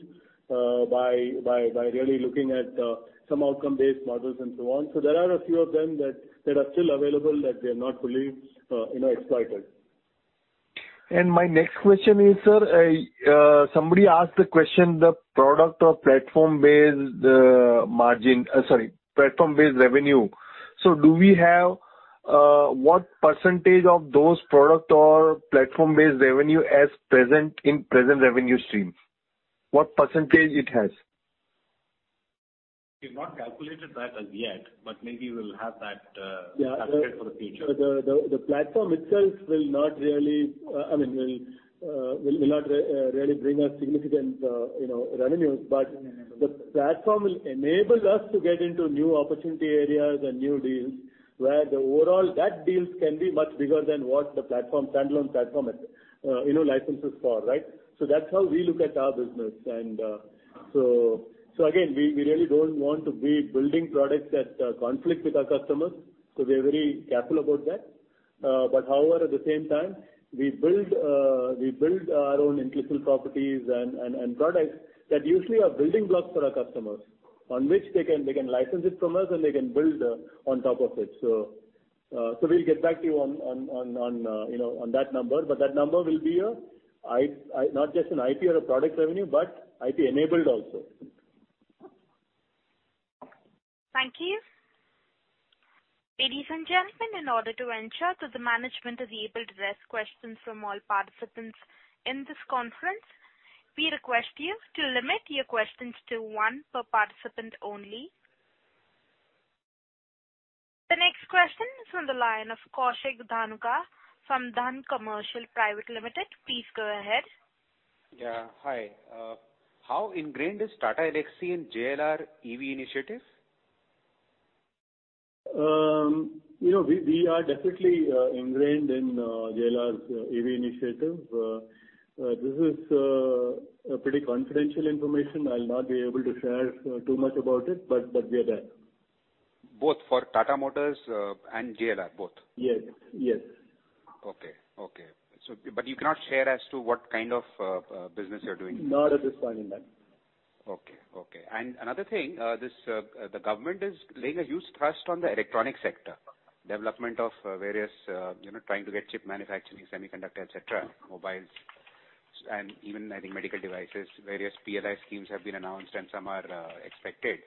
by really looking at some outcome-based models and so on. There are a few of them that are still available that they have not fully exploited. My next question is sir. Somebody asked the question, the product or platform-based revenue. Do we have, what percentage of those product or platform-based revenue as present in present revenue streams? What percentage it has? We've not calculated that as yet, but maybe we'll have that calculated for the future. Yeah. The platform itself will not really bring us significant revenues. The platform will enable us to get into new opportunity areas and new deals, where that deals can be much bigger than what the standalone platform licenses for, right? That's how we look at our business. Again, we really don't want to be building products that conflict with our customers, so we are very careful about that. However, at the same time, we build our own intellectual properties and products that usually are building blocks for our customers, on which they can license it from us, and they can build on top of it. We'll get back to you on that number. That number will be not just an IP or a product revenue, but IP-enabled also. Thank you. Ladies and gentlemen, in order to ensure that the management is able to address questions from all participants in this conference, we request you to limit your questions to one per participant only. The next question is on the line of Kaushik Dhanuka from Dhan Commercial Private Limited. Please go ahead. Yeah. Hi. How ingrained is Tata Elxsi in JLR EV initiative? We are definitely ingrained in JLR's EV initiative. This is a pretty confidential information. I'll not be able to share too much about it, but we are there. Both for Tata Motors and JLR, both? Yes. Okay. You cannot share as to what kind of business you are doing? Not at this point in time. Okay. Another thing, the government is laying a huge thrust on the electronic sector, development of various, trying to get chip manufacturing, semiconductor, et cetera, mobiles, and even, I think medical devices. Various PLI schemes have been announced and some are expected.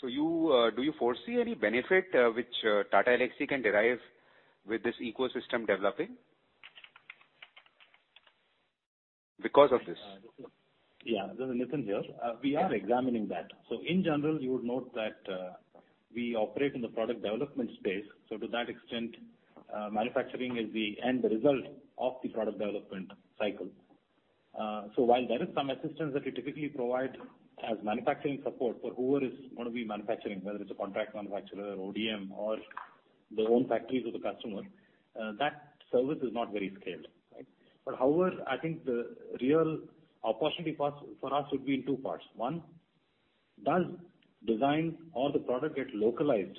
Do you foresee any benefit which Tata Elxsi can derive with this ecosystem developing because of this? This is Nitin here. We are examining that. In general, you would note that we operate in the product development space. To that extent, manufacturing is the end result of the product development cycle. While there is some assistance that we typically provide as manufacturing support for whoever is going to be manufacturing, whether it's a contract manufacturer or ODM or their own factories or the customer, that service is not very scaled, right? However, I think the real opportunity for us would be in two parts. One, does design or the product get localized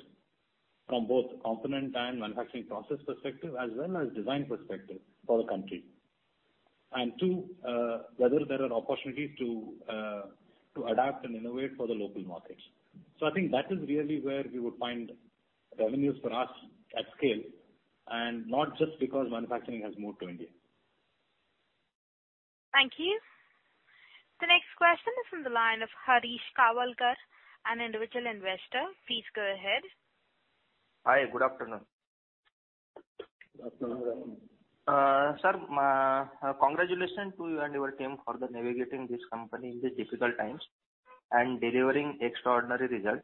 from both component and manufacturing process perspective as well as design perspective for the country? Two, whether there are opportunities to adapt and innovate for the local markets. I think that is really where we would find revenues for us at scale, and not just because manufacturing has moved to India. Thank you. The next question is on the line of Harish Kawalkar, an individual investor. Please go ahead. Hi, good afternoon. Good afternoon. Sir, congratulations to you and your team for navigating this company in these difficult times and delivering extraordinary results.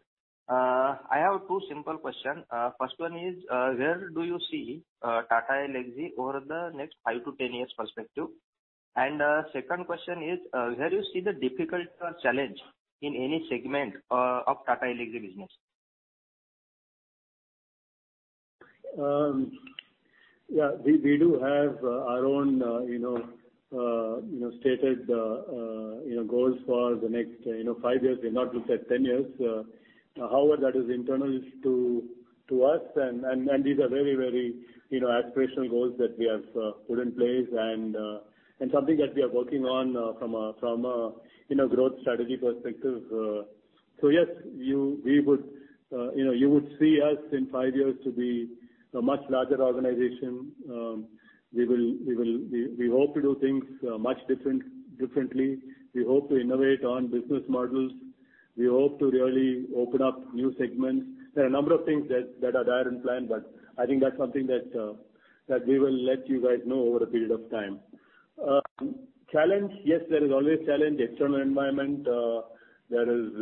I have two simple questions. First one is, where do you see Tata Elxsi over the next 5-10 years perspective? Second question is, where you see the difficult challenge in any segment of Tata Elxsi business? We do have our own stated goals for the next five years; we have not looked at 10 years. However, that is internal to us, and these are very aspirational goals that we have put in place and something that we are working on from a growth strategy perspective. Yes, you would see us in five years to be a much larger organization. We hope to do things much differently. We hope to innovate on business models. We hope to really open up new segments. There are a number of things that are there in plan, but I think that's something that we will let you guys know over a period of time. Challenge? Yes, there is always challenge. External environment, there is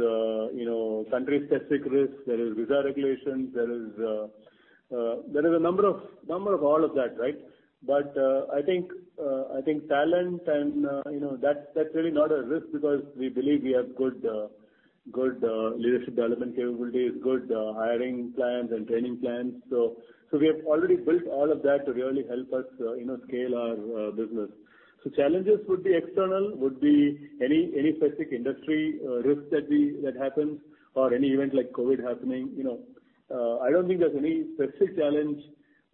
country-specific risk, there is visa regulations. There is a number of all of that, right? I think talent, and that's really not a risk because we believe we have good leadership development capabilities, good hiring plans and training plans. We have already built all of that to really help us scale our business. Challenges would be external, would be any specific industry risk that happens or any event like COVID happening. I don't think there's any specific challenge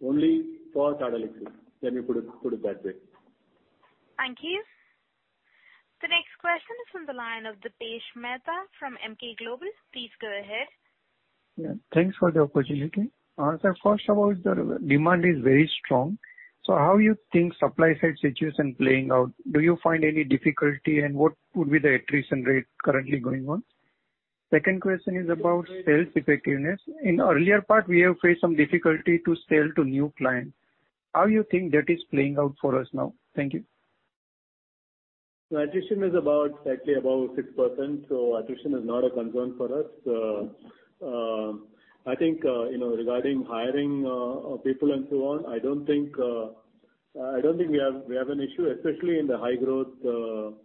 only for Tata Elxsi. Let me put it that way. Thank you. The next question is from the line of Dipesh Mehta from Emkay Global. Please go ahead. Yeah. Thanks for the opportunity. Sir, first, about the demand is very strong. How you think supply side situation playing out? Do you find any difficulty, and what would be the attrition rate currently going on? Second question is about sales effectiveness. In earlier part, we have faced some difficulty to sell to new clients. How you think that is playing out for us now? Thank you. Attrition is about slightly above 6%, so attrition is not a concern for us. Regarding hiring people and so on, I don't think we have an issue, especially in the high-growth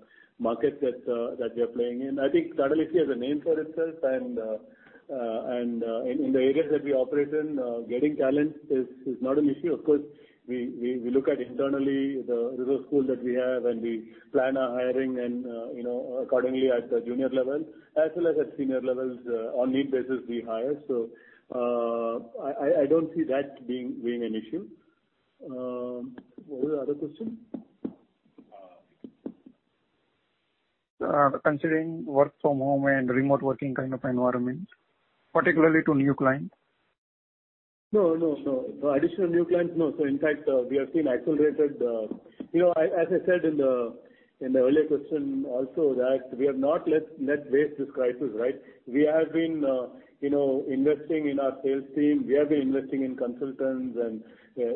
market that we are playing in. Tata Elxsi has a name for itself, and in the areas that we operate in, getting talent is not an issue. Of course, we look at internally the resource pool that we have, and we plan our hiring and accordingly at the junior level as well as at senior levels, on need basis we hire. I don't see that being an issue. What was the other question? Considering work from home and remote working kind of environment, particularly to new client. No. Additional new clients, no. In fact, we have seen accelerated As I said in the earlier question also that we have not let waste this crisis, right? We have been investing in our sales team. We have been investing in consultants and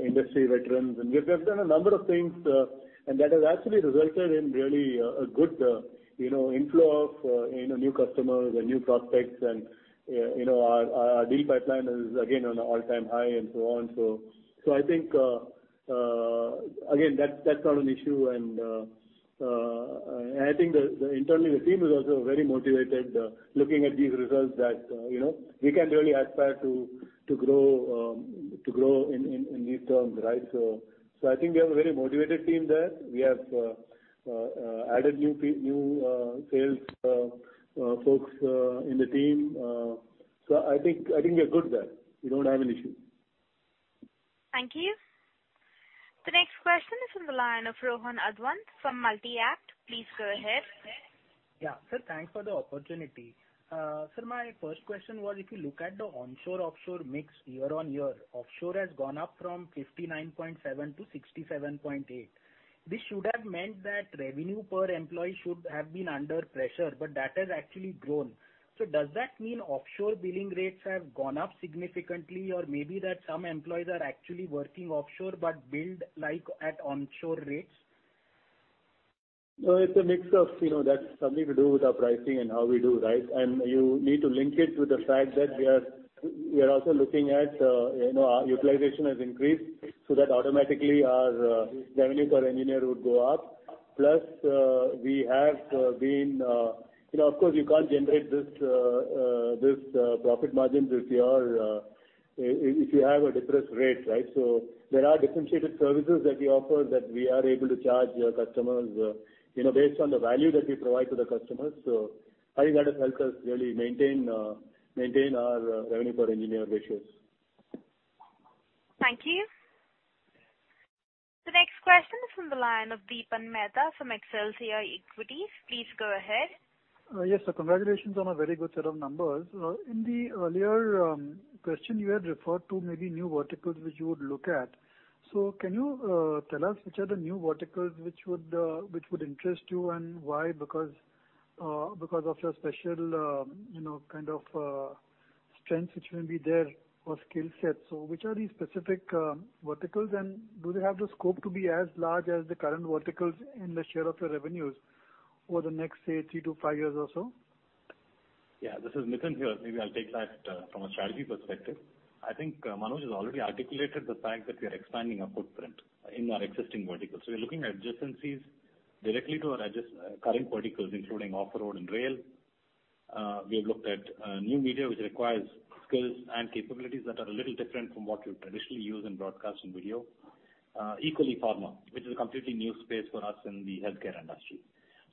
industry veterans, and we have done a number of things, and that has actually resulted in really a good inflow of new customers and new prospects and our deal pipeline is again on all-time high and so on. I think, again, that's not an issue, and I think internally the team is also very motivated looking at these results that we can really aspire to grow in these terms, right? I think we have a very motivated team there. We have added new sales folks in the team. I think we are good there. We don't have an issue. Thank you. The next question is from the line of Rohan Samant from Multi-Act. Please go ahead. Yeah. Sir, thanks for the opportunity. Sir, my first question was, if you look at the onshore-offshore mix year-on-year, offshore has gone up from 59.7% to 67.8%. This should have meant that revenue per employee should have been under pressure, but that has actually grown. Does that mean offshore billing rates have gone up significantly or maybe that some employees are actually working offshore but billed like at onshore rates? No, it is a mix of that is something to do with our pricing and how we do, right? You need to link it to the fact that we are also looking at our utilization has increased, so that automatically our revenue per engineer would go up. Of course, you cannot generate these profit margins if you have a depressed rate, right? There are differentiated services that we offer that we are able to charge customers based on the value that we provide to the customers. I think that has helped us really maintain our revenue per engineer ratios. Thank you. The next question is from the line of Dipan Mehta from Elixir Equities. Please go ahead. Yes. Congratulations on a very good set of numbers. In the earlier question, you had referred to maybe new verticals which you would look at. Can you tell us which are the new verticals which would interest you and why, because of your special kind of strengths which may be there or skill set. Which are these specific verticals, and do they have the scope to be as large as the current verticals in the share of your revenues over the next, say, three to five years or so? Yeah, this is Nitin here. Maybe I'll take that from a strategy perspective. I think Manoj has already articulated the fact that we are expanding our footprint in our existing verticals. We're looking at adjacencies directly to our current verticals, including off-road and rail. We have looked at new media, which requires skills and capabilities that are a little different from what we traditionally use in broadcasting video. Equally, pharma, which is a completely new space for us in the healthcare industry.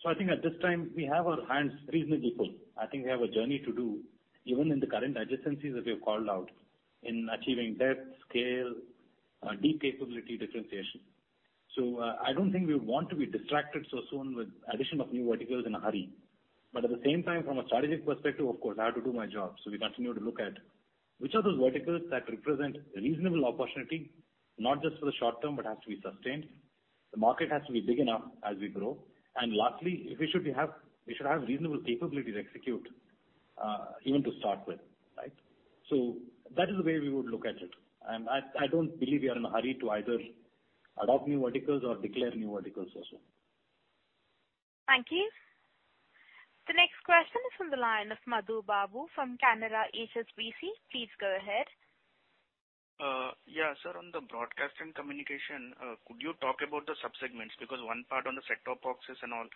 I think at this time, we have our hands reasonably full. I think we have a journey to do, even in the current adjacencies that we have called out in achieving depth, scale, deep capability differentiation. I don't think we would want to be distracted so soon with addition of new verticals in a hurry. At the same time, from a strategic perspective, of course, I have to do my job. We continue to look at which are those verticals that represent reasonable opportunity, not just for the short term, but has to be sustained. The market has to be big enough as we grow. Lastly, we should have reasonable capability to execute, even to start with. That is the way we would look at it. I don't believe we are in a hurry to either adopt new verticals or declare new verticals also. Thank you. The next question is from the line of Madhu Babu from Canara HSBC. Please go ahead. Yeah, sir. On the broadcast and communication, could you talk about the sub-segments? One part on the set-top boxes and all,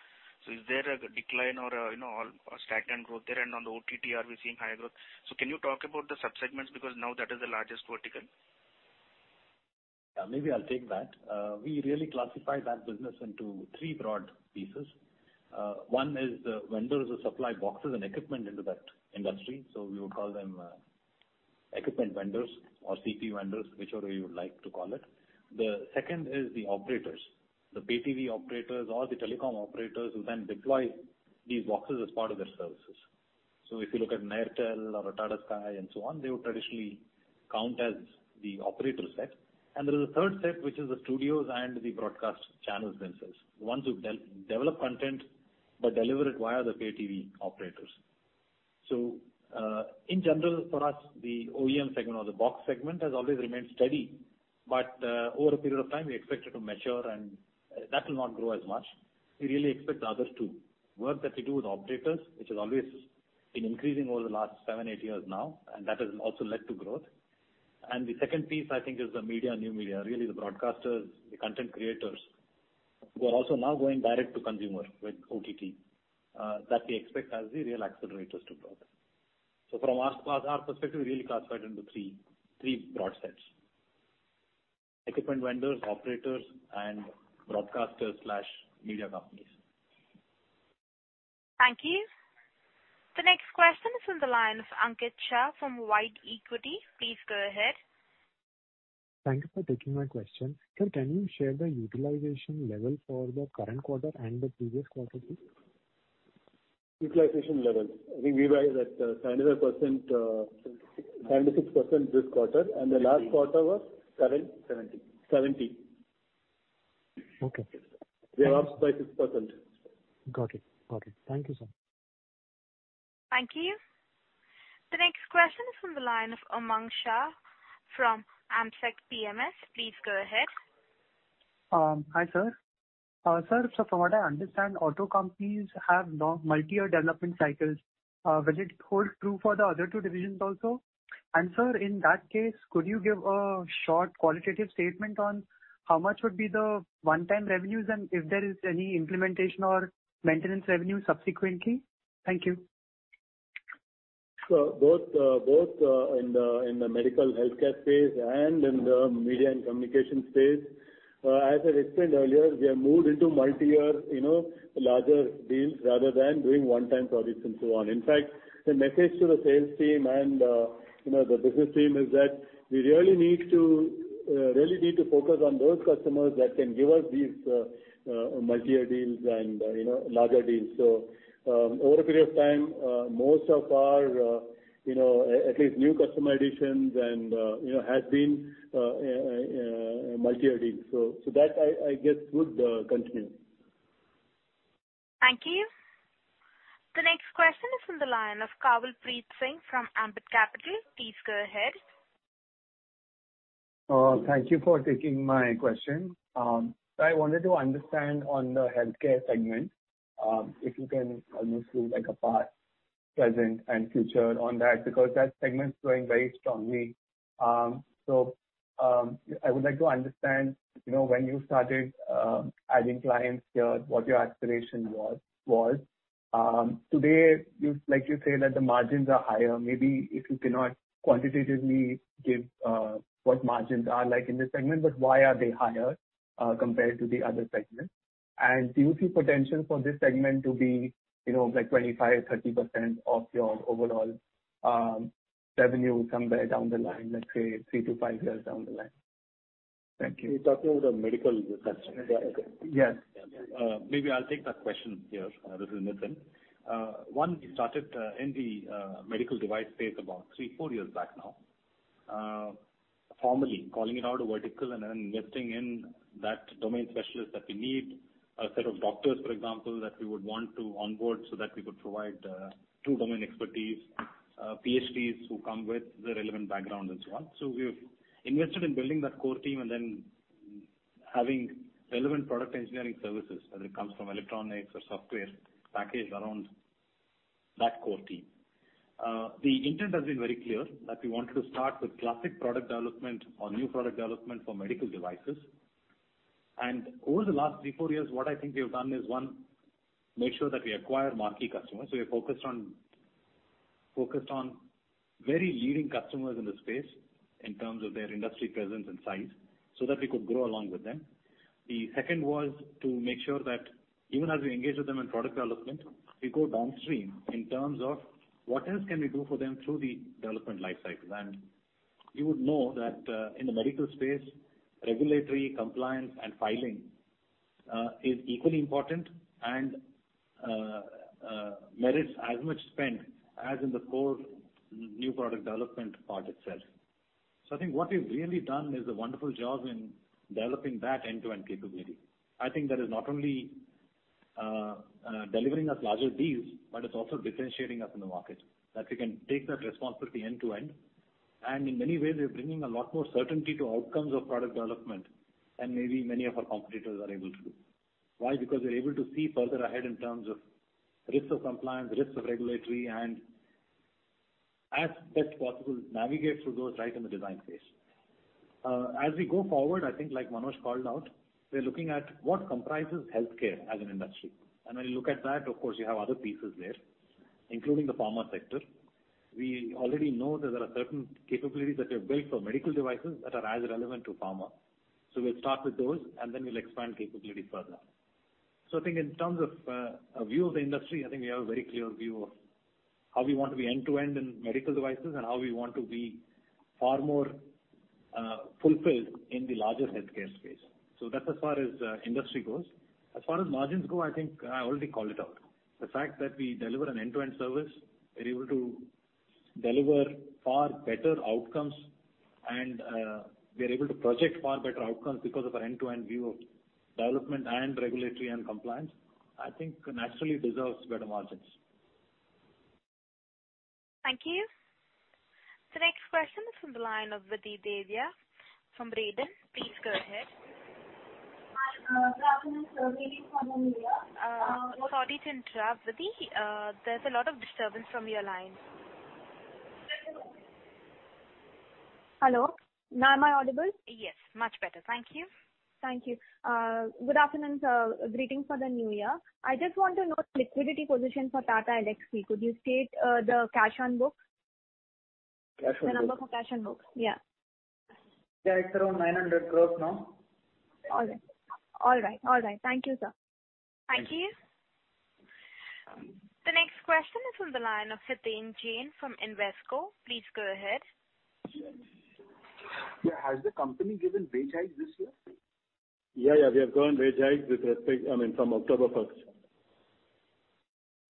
is there a decline or stagnant growth there? On the OTT, are we seeing higher growth? Can you talk about the sub-segments, because now that is the largest vertical. Maybe I'll take that. We really classify that business into three broad pieces. One is the vendors who supply boxes and equipment into that industry. We would call them equipment vendors or CPE vendors, whichever way you would like to call it. The second is the operators, the pay TV operators or the telecom operators who then deploy these boxes as part of their services. If you look at Airtel or Tata Play and so on, they would traditionally count as the operator set. There is a third set, which is the studios and the broadcast channels themselves, the ones who develop content but deliver it via the pay TV operators. In general, for us, the OEM segment or the box segment has always remained steady. Over a period of time, we expect it to mature and that will not grow as much. We really expect the others to. Work that we do with operators, which has always been increasing over the last seven, eight years now. That has also led to growth. The second piece, I think, is the media, new media, really the broadcasters, the content creators, who are also now going direct to consumer with OTT, that we expect as the real accelerators to growth. From our perspective, we really classified into three broad sets. Equipment vendors, operators, and broadcasters/media companies. Thank you. The next question is on the line of Ankit Shah from White Equity. Please go ahead. Thank you for taking my question. Sir, can you share the utilization level for the current quarter and the previous quarter, please? Utilization level. I think we were at 76% this quarter. The last quarter was- Seventy. Seventy. Okay. We are up by 6%. Got it. Thank you, sir. Thank you. The next question is from the line of Umang Shah from Ambit PMS. Please go ahead. Hi, sir. Sir, from what I understand, auto companies have multi-year development cycles. Will it hold true for the other two divisions also? Sir, in that case, could you give a short qualitative statement on how much would be the one-time revenues and if there is any implementation or maintenance revenue subsequently? Thank you. Both in the medical healthcare space and in the media and communication space, as I explained earlier, we have moved into multi-year larger deals rather than doing one-time projects and so on. In fact, the message to the sales team and the business team is that we really need to focus on those customers that can give us these multi-year deals and larger deals. Over a period of time, most of our at least new customer additions has been multi-year deals. That I guess would continue. Thank you. The next question is on the line of Kanwalpreet Singh from Ambit Capital. Please go ahead. Thank you for taking my question. I wanted to understand on the healthcare segment, if you can almost do like a past, present, and future on that, because that segment is growing very strongly. I would like to understand when you started adding clients here, what your aspiration was. Today, like you say that the margins are higher. Maybe if you cannot quantitatively give what margins are like in this segment, but why are they higher compared to the other segments? Do you see potential for this segment to be 25%-30% of your overall revenue somewhere down the line, let's say three to five years down the line? Thank you. You're talking about the medical segment, right? Yes. Maybe I'll take that question here, this is Nitin. One, we started in the medical device space about three, four years back now. Formally calling it out a vertical and then investing in that domain specialist that we need, a set of doctors, for example, that we would want to onboard so that we could provide true domain expertise, PhDs who come with the relevant background and so on. We've invested in building that core team and then having relevant product engineering services, whether it comes from electronics or software packaged around that core team. The intent has been very clear that we wanted to start with classic product development or new product development for medical devices. Over the last three, four years, what I think we have done is, one, made sure that we acquire marquee customers. We focused on very leading customers in the space in terms of their industry presence and size so that we could grow along with them. The second was to make sure that even as we engage with them in product development, we go downstream in terms of what else can we do for them through the development life cycles. You would know that in the medical space, regulatory compliance and filing is equally important and merits as much spend as in the core new product development part itself. I think what we've really done is a wonderful job in developing that end-to-end capability. That is not only delivering us larger deals, but it's also differentiating us in the market, that we can take that responsibility end to end. In many ways, we are bringing a lot more certainty to outcomes of product development than maybe many of our competitors are able to do. Why? Because we're able to see further ahead in terms of risks of compliance, risks of regulatory, and as best possible, navigate through those right in the design phase. As we go forward, I think like Manoj called out, we're looking at what comprises healthcare as an industry. When you look at that, of course, you have other pieces there, including the pharma sector. We already know that there are certain capabilities that we have built for medical devices that are as relevant to pharma. We'll start with those, and then we'll expand capabilities further. I think in terms of a view of the industry, I think we have a very clear view of how we want to be end to end in medical devices and how we want to be far more fulfilled in the larger healthcare space. That's as far as industry goes. As far as margins go, I think I already called it out. The fact that we deliver an end-to-end service, we're able to deliver far better outcomes, and we are able to project far better outcomes because of our end-to-end view of development and regulatory and compliance, I think naturally deserves better margins. Thank you. The next question is from the line of Vidhi Devia from Braeden. Please go ahead. Hi, good afternoon, sir. Greetings for the New Year. Sorry to interrupt, Vidhi. There's a lot of disturbance from your line. Hello, now am I audible? Yes, much better. Thank you. Thank you. Good afternoon, sir. Greetings for the new year. I just want to know liquidity position for Tata Elxsi. Could you state the cash on books? Cash on books. The number for cash on books, yeah. Yeah, it's around 900 crores now. All right. Thank you, sir. Thank you. The next question is from the line of Satain Jane from Invesco. Please go ahead. Yeah. Has the company given wage hike this year? Yeah. We have given wage hike from October first.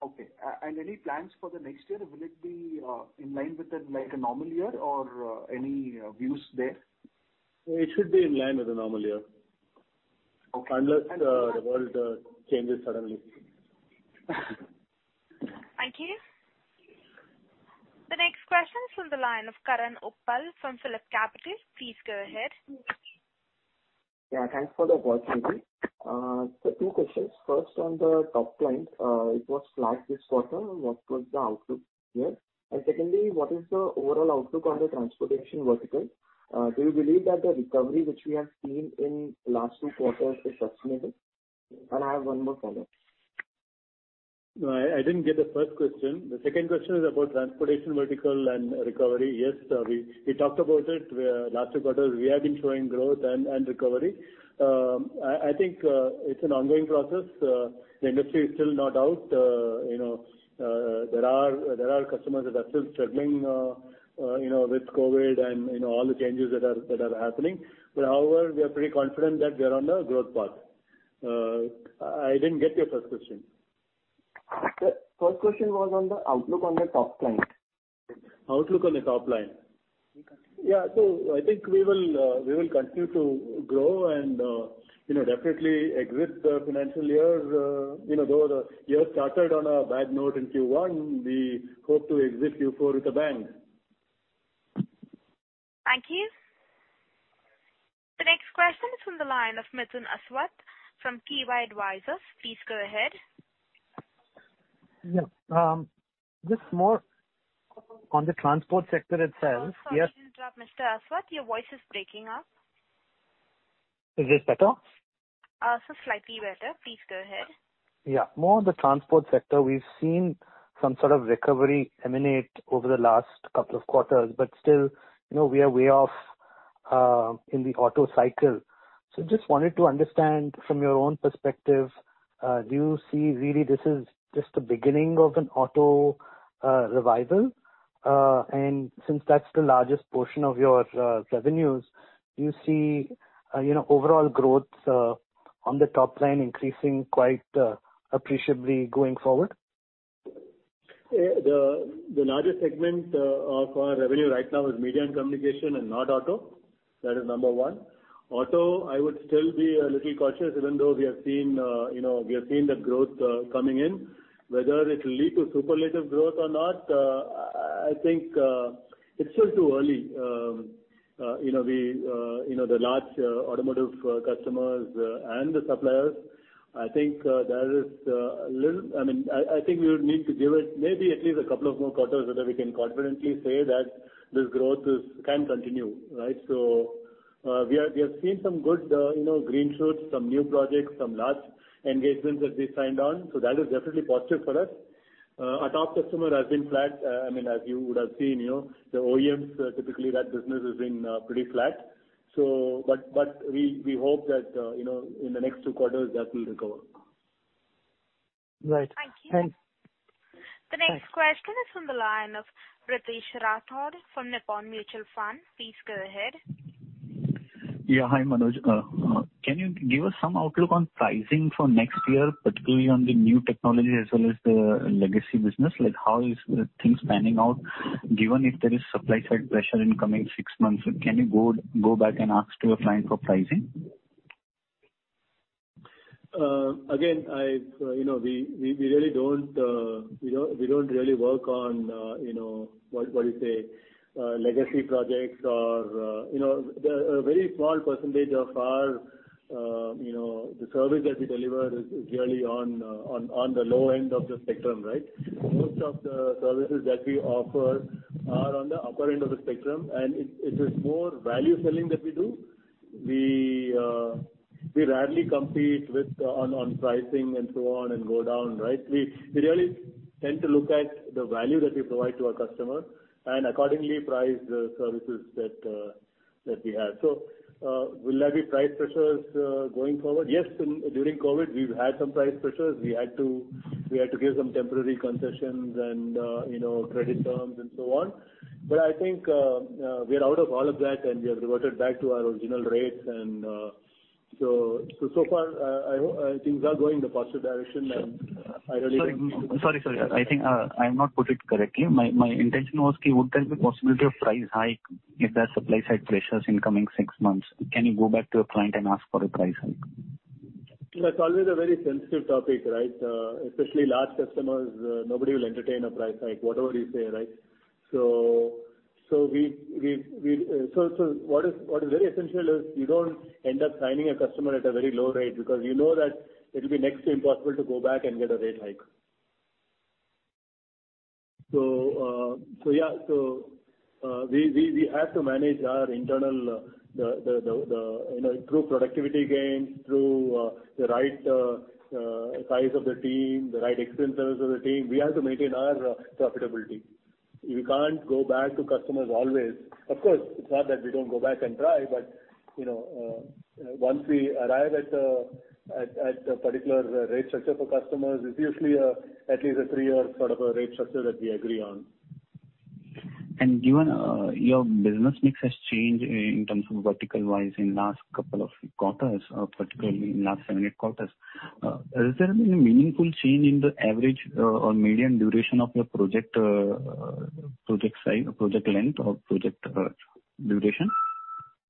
Okay. Any plans for the next year, or will it be in line with the normal year, or any views there? It should be in line with the normal year. Unless the world changes suddenly. Thank you. The next question is from the line of Karan Uppal from PhillipCapital. Please go ahead. Yeah, thanks for the call, Sandeep. Two questions. First on the top line, it was flat this quarter. What was the outlook here? Secondly, what is the overall outlook on the transportation vertical? Do you believe that the recovery which we have seen in the last two quarters is sustainable? I have one more follow-up. No, I didn't get the first question. The second question is about transportation vertical and recovery. Yes, we talked about it last two quarters. We have been showing growth and recovery. I think it's an ongoing process. The industry is still not out. There are customers that are still struggling with COVID and all the changes that are happening. However, we are pretty confident that we are on a growth path. I didn't get your first question. The first question was on the outlook on the top line. Outlook on the top line. Yeah. I think we will continue to grow and definitely exit the financial year. Though the year started on a bad note in Q1, we hope to exit Q4 with a bang. Thank you. The next question is from the line of Mithun Aswath from Kivah Advisors. Please go ahead. Yeah. Just more on the transport sector itself. Sorry to interrupt, Mr. Aswath. Your voice is breaking up. Is this better? It's slightly better. Please go ahead. More on the transport sector. We've seen some sort of recovery emanate over the last couple of quarters, but still, we are way off in the auto cycle. Just wanted to understand from your own perspective, do you see really this is just the beginning of an auto revival? Since that's the largest portion of your revenues, do you see overall growth on the top line increasing quite appreciably going forward? The largest segment of our revenue right now is media and communication and not auto. That is number one. Auto, I would still be a little cautious, even though we have seen the growth coming in. Whether it'll lead to superlative growth or not, I think it's still too early. The large automotive customers and the suppliers, I think we would need to give it may be at least a couple of more quarters whether we can confidently say that this growth can continue, right? We have seen some good green shoots, some new projects, some large engagements that we signed on. That is definitely positive for us. Our top customer has been flat. As you would have seen, the OEMs, typically that business has been pretty flat. We hope that in the next two quarters, that will recover. Right. Thanks. Thank you. The next question is from the line of Ritesh Rathod from Nippon Mutual Fund. Please go ahead. Yeah. Hi, Manoj. Can you give us some outlook on pricing for next year, particularly on the new technology as well as the legacy business? How are things panning out, given if there is supply side pressure in coming six months, can you go back and ask to a client for pricing? We don't really work on, what you say, legacy projects. A very small percentage of the service that we deliver is really on the low end of the spectrum, right? Most of the services that we offer are on the upper end of the spectrum, and it is more value selling that we do. We rarely compete on pricing and so on and go down, right? We really tend to look at the value that we provide to our customer and accordingly price the services that we have. Will there be price pressures going forward? Yes. During COVID, we've had some price pressures. We had to give some temporary concessions and credit terms and so on. I think we're out of all of that and we have reverted back to our original rates and so far, things are going in the positive direction. Sorry. I think I have not put it correctly. My intention was would there be possibility of price hike if there are supply side pressures in coming six months? Can you go back to a client and ask for a price hike? That's always a very sensitive topic, right? Especially large customers, nobody will entertain a price hike, whatever you say. What is very essential is you don't end up signing a customer at a very low rate because you know that it'll be next to impossible to go back and get a rate hike. We have to manage our internal, through productivity gains, through the right size of the team, the right expense service of the team. We have to maintain our profitability. We can't go back to customers always. Of course, it's not that we don't go back and try, but once we arrive at a particular rate structure for customers, it's usually at least a three-year sort of a rate structure that we agree on. Given your business mix has changed in terms of vertical wise in last couple of quarters, particularly in last seven, eight quarters, has there been a meaningful change in the average or median duration of your project size or project length or project duration?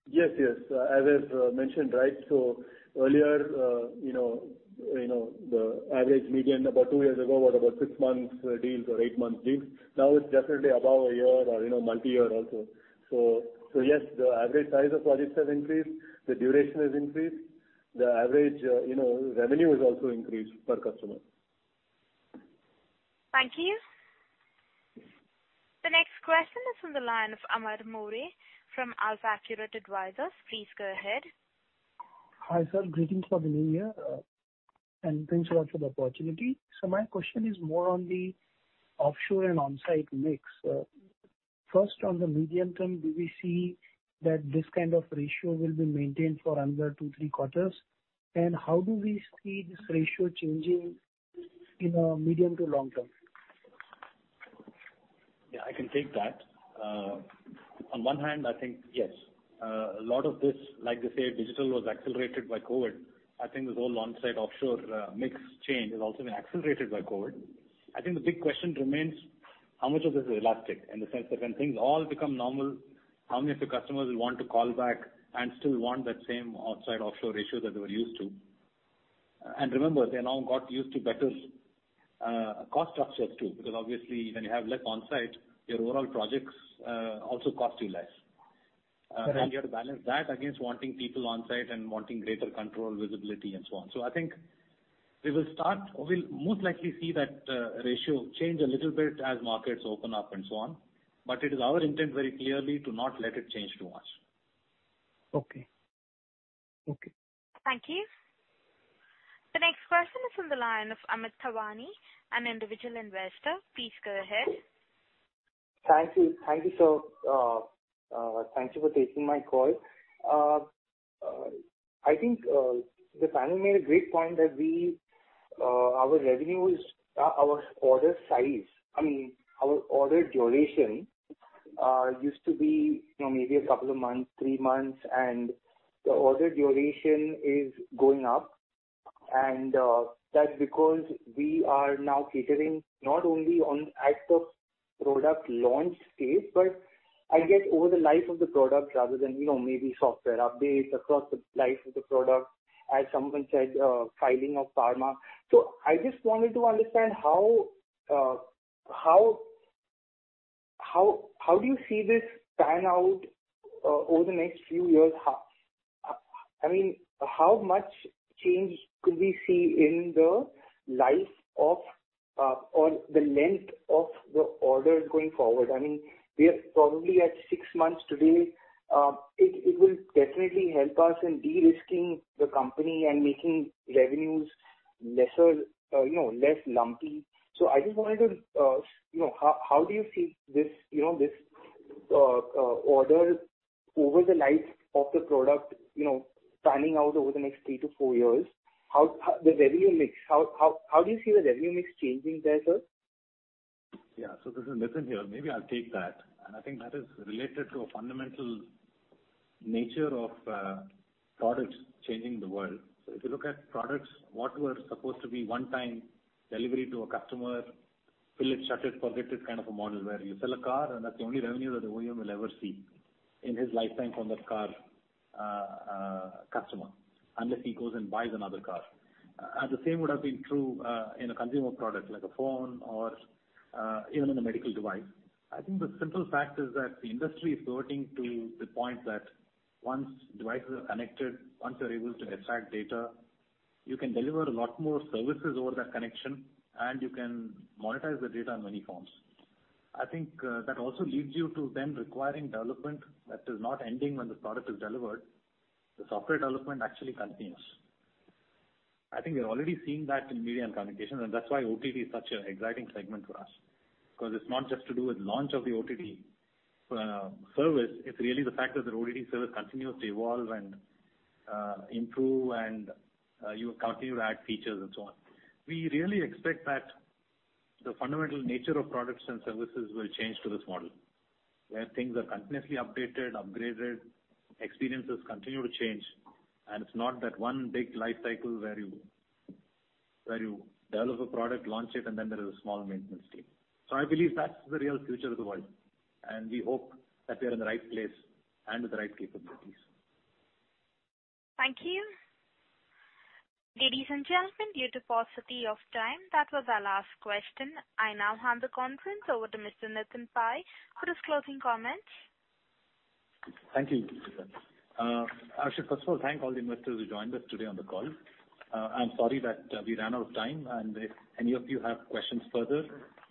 Yes. As I've mentioned. Earlier, the average median about two years ago was about six months deals or eight months deals. Now it's definitely above a year or multi-year also. Yes, the average size of projects has increased. The duration has increased. The average revenue has also increased per customer. Thank you. The next question is from the line of Amar Maurya from Alfaccurate Advisors. Please go ahead. Hi, sir. Greetings for the new year and thanks a lot for the opportunity. My question is more on the offshore and onsite mix. First, on the medium term, do we see that this kind of ratio will be maintained for another two, three quarters? How do we see this ratio changing in a medium to long term? Yeah, I can take that. On one hand, I think, yes. A lot of this, like they say, digital was accelerated by COVID. I think this whole onsite-offshore mix change has also been accelerated by COVID. I think the big question remains how much of this is elastic in the sense that when things all become normal, how many of the customers will want to call back and still want that same onsite-offshore ratio that they were used to? Remember, they now got used to better cost structures, too. Obviously when you have less onsite, your overall projects also cost you less. Correct. You have to balance that against wanting people onsite and wanting greater control, visibility and so on. I think we'll most likely see that ratio change a little bit as markets open up and so on, but it is our intent very clearly to not let it change too much. Okay. Thank you. The next question is on the line of Amit Thawani, an individual investor. Please go ahead. Thank you. Thank you for taking my call. I think the panel made a great point that our order duration used to be maybe a couple of months, three months, and the order duration is going up, and that's because we are now catering not only on at the product launch phase, but I guess over the life of the product rather than maybe software updates across the life of the product. As someone said, filing of pharma. I just wanted to understand how do you see this pan out over the next few years? How much change could we see in the life of or the length of the orders going forward? We are probably at six months today. It will definitely help us in de-risking the company and making revenues less lumpy. How do you see this order over the life of the product panning out over the next three to four years? The revenue mix, how do you see the revenue mix changing there, sir? This is Nitin here. Maybe I'll take that. I think that is related to a fundamental nature of products changing the world. If you look at products, what were supposed to be one-time delivery to a customer, fill it, shut it, forget it kind of a model where you sell a car and that's the only revenue that the OEM will ever see in his lifespan from that car customer, unless he goes and buys another car. The same would have been true in a consumer product like a phone or even in a medical device. I think the simple fact is that the industry is reverting to the point that once devices are connected, once you're able to extract data, you can deliver a lot more services over that connection, and you can monetize the data in many forms. I think that also leads you to then requiring development that is not ending when the product is delivered. The software development actually continues. I think we've already seen that in media and communications, and that's why OTT is such an exciting segment for us because it's not just to do with launch of the OTT service. It's really the fact that the OTT service continues to evolve and improve, and you continue to add features and so on. We really expect that the fundamental nature of products and services will change to this model, where things are continuously updated, upgraded, experiences continue to change, and it's not that one big life cycle where you develop a product, launch it, and then there is a small maintenance team. I believe that's the real future of the world, and we hope that we're in the right place and with the right capabilities. Thank you. Ladies and gentlemen, due to paucity of time, that was our last question. I now hand the conference over to Mr. Nitin Pai for his closing comments. Thank you, Lizanne. I should first of all thank all the investors who joined us today on the call. I'm sorry that we ran out of time, and if any of you have questions further,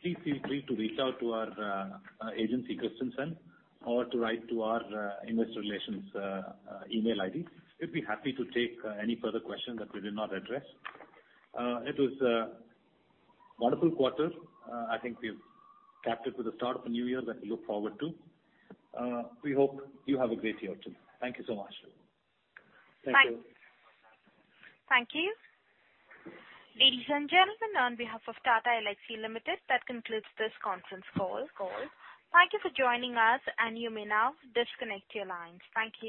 please feel free to reach out to our agency, Christensen, or to write to our investor relations email ID. We'd be happy to take any further questions that we did not address. It was a wonderful quarter. I think we've capped it with the start of a new year that we look forward to. We hope you have a great year too. Thank you so much. Thank you. Ladies and gentlemen, on behalf of Tata Elxsi Limited, that concludes this conference call. Thank you for joining us, and you may now disconnect your lines. Thank you.